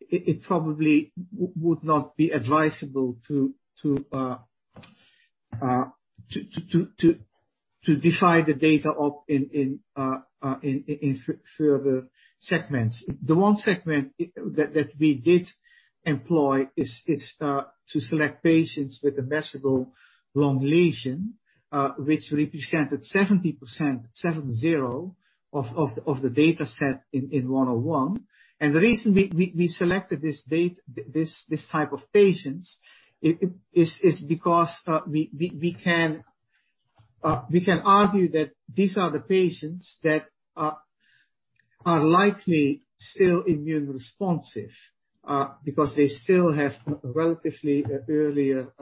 it probably would not be advisable to divide the data up in further segments. The one segment that we did employ is to select patients with a measurable lung lesion, which represented 70% of the data set in Study 101. The reason we selected this type of patient is because we can argue that these are the patients that are likely still immune responsive, because they still have a relatively earlier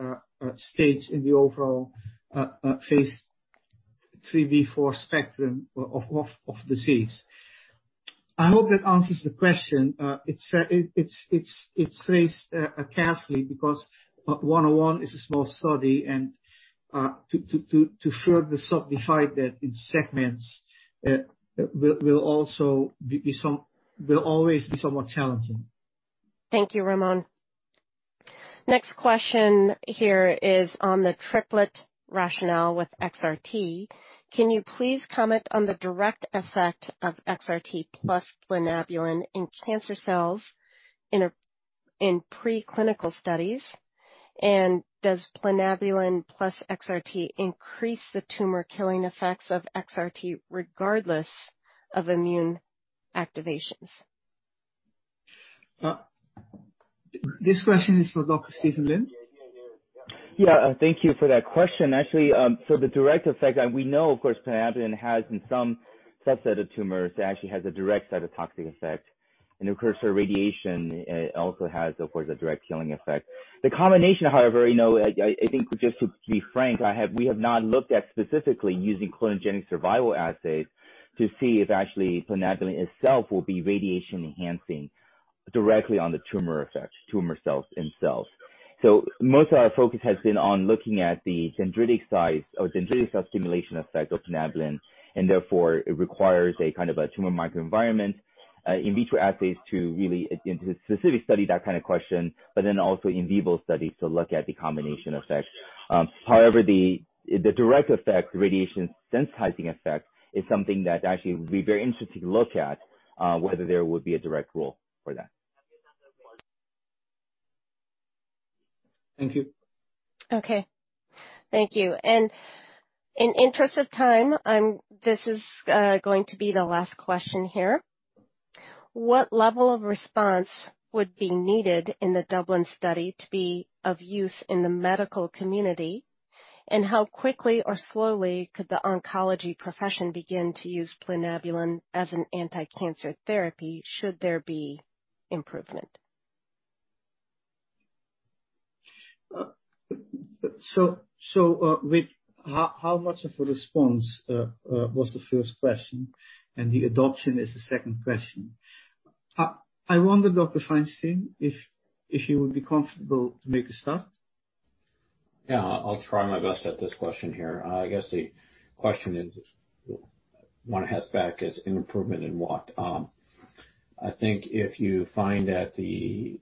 stage in the overall phase III, IV spectrum of disease. I hope that answers the question. It's phrased carefully because Study 101 is a small study, to further subdivide that in segments will always be somewhat challenging. Thank you, Ramon. Next question here is on the triplet rationale with XRT. Can you please comment on the direct effect of XRT plus plinabulin in cancer cells in preclinical studies? Does plinabulin plus XRT increase the tumor-killing effects of XRT regardless of immune activations? This question is for Dr. Stephen Lin. Yeah. Thank you for that question, actually. The direct effect that we know, of course, plinabulin has in some subset of tumors, it actually has a direct cytotoxic effect. Of course, your radiation, it also has, of course, a direct killing effect. The combination, however, I think just to be frank, we have not looked at specifically using clonogenic survival assays to see if actually plinabulin itself will be radiation enhancing directly on the tumor effects, tumor cells themselves. Most of our focus has been on looking at the dendritic size or dendritic cell stimulation effect of plinabulin, and therefore it requires a tumor microenvironment in vitro assays to really, specifically study that kind of question, but then also in vivo studies to look at the combination effect. The direct effect, radiation sensitizing effect, is something that actually would be very interesting to look at whether there would be a direct role for that. Thank you. Okay. Thank you. In interest of time, this is going to be the last question here. What level of response would be needed in the Dublin study to be of use in the medical community? How quickly or slowly could the oncology profession begin to use plinabulin as an anticancer therapy, should there be improvement? With how much of a response was the first question, and the adoption is the second question. I wonder, Dr. Feinstein, if you would be comfortable to make a start. I'll try my best at this question here. I guess the question is, one has to ask, is improvement in what? I think if you find that the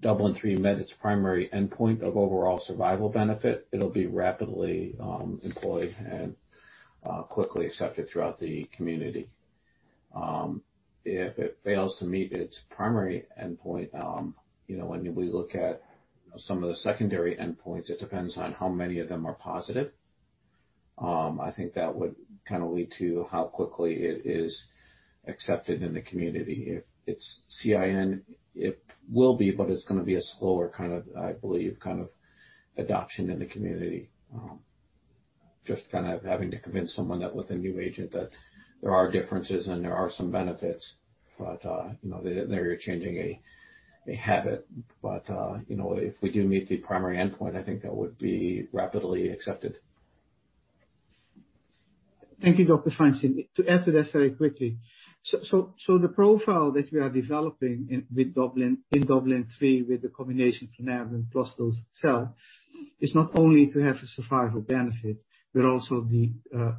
DUBLIN-3 met its primary endpoint of overall survival benefit, it'll be rapidly employed and quickly accepted throughout the community. If it fails to meet its primary endpoint, when we look at some of the secondary endpoints, it depends on how many of them are positive. I think that would kind of lead to how quickly it is accepted in the community. If it's CIN, it will be, but it's going to be a slower, I believe, kind of adoption in the community. Just kind of having to convince someone that with a new agent that there are differences and there are some benefits, but they're changing a habit. If we do meet the primary endpoint, I think that would be rapidly accepted. Thank you, Dr. Feinstein. To add to that very quickly. The profile that we are developing in DUBLIN-3 with the combination of plinabulin plus docetaxel, is not only to have a survival benefit, but also the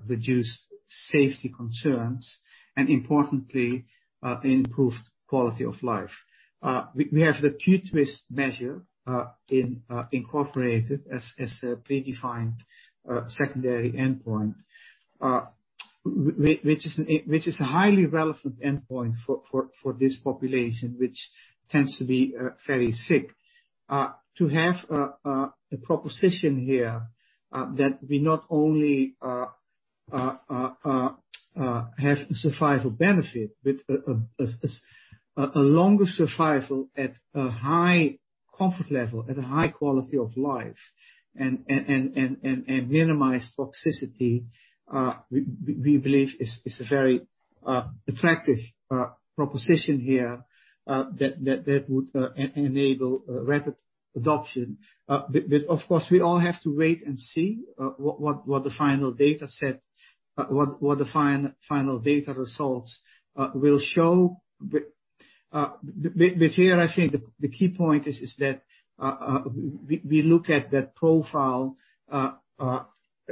reduced safety concerns and importantly, improved quality of life. We have the Q-TWiST measure incorporated as a predefined secondary endpoint, which is a highly relevant endpoint for this population, which tends to be very sick. To have a proposition here that we not only have a survival benefit, but a longer survival at a high comfort level, at a high quality of life and minimized toxicity, we believe is a very attractive proposition here that would enable rapid adoption. Of course, we all have to wait and see what the final data results will show. Here, I think the key point is that we look at that profile,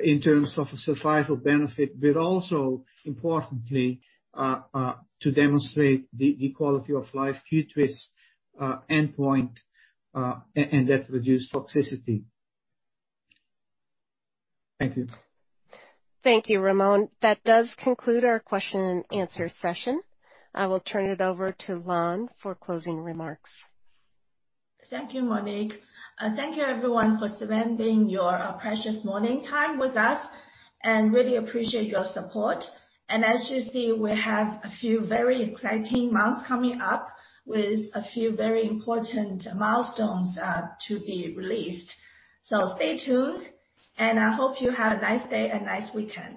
in terms of a survival benefit, but also importantly, to demonstrate the quality of life Q-TWiST endpoint, and that reduced toxicity. Thank you. Thank you, Ramon. That does conclude our question and answer session. I will turn it over to Lan for closing remarks. Thank you, Monique. Thank you everyone for spending your precious morning time with us, and really appreciate your support. As you see, we have a few very exciting months coming up with a few very important milestones to be released. Stay tuned, and I hope you have a nice day and nice weekend.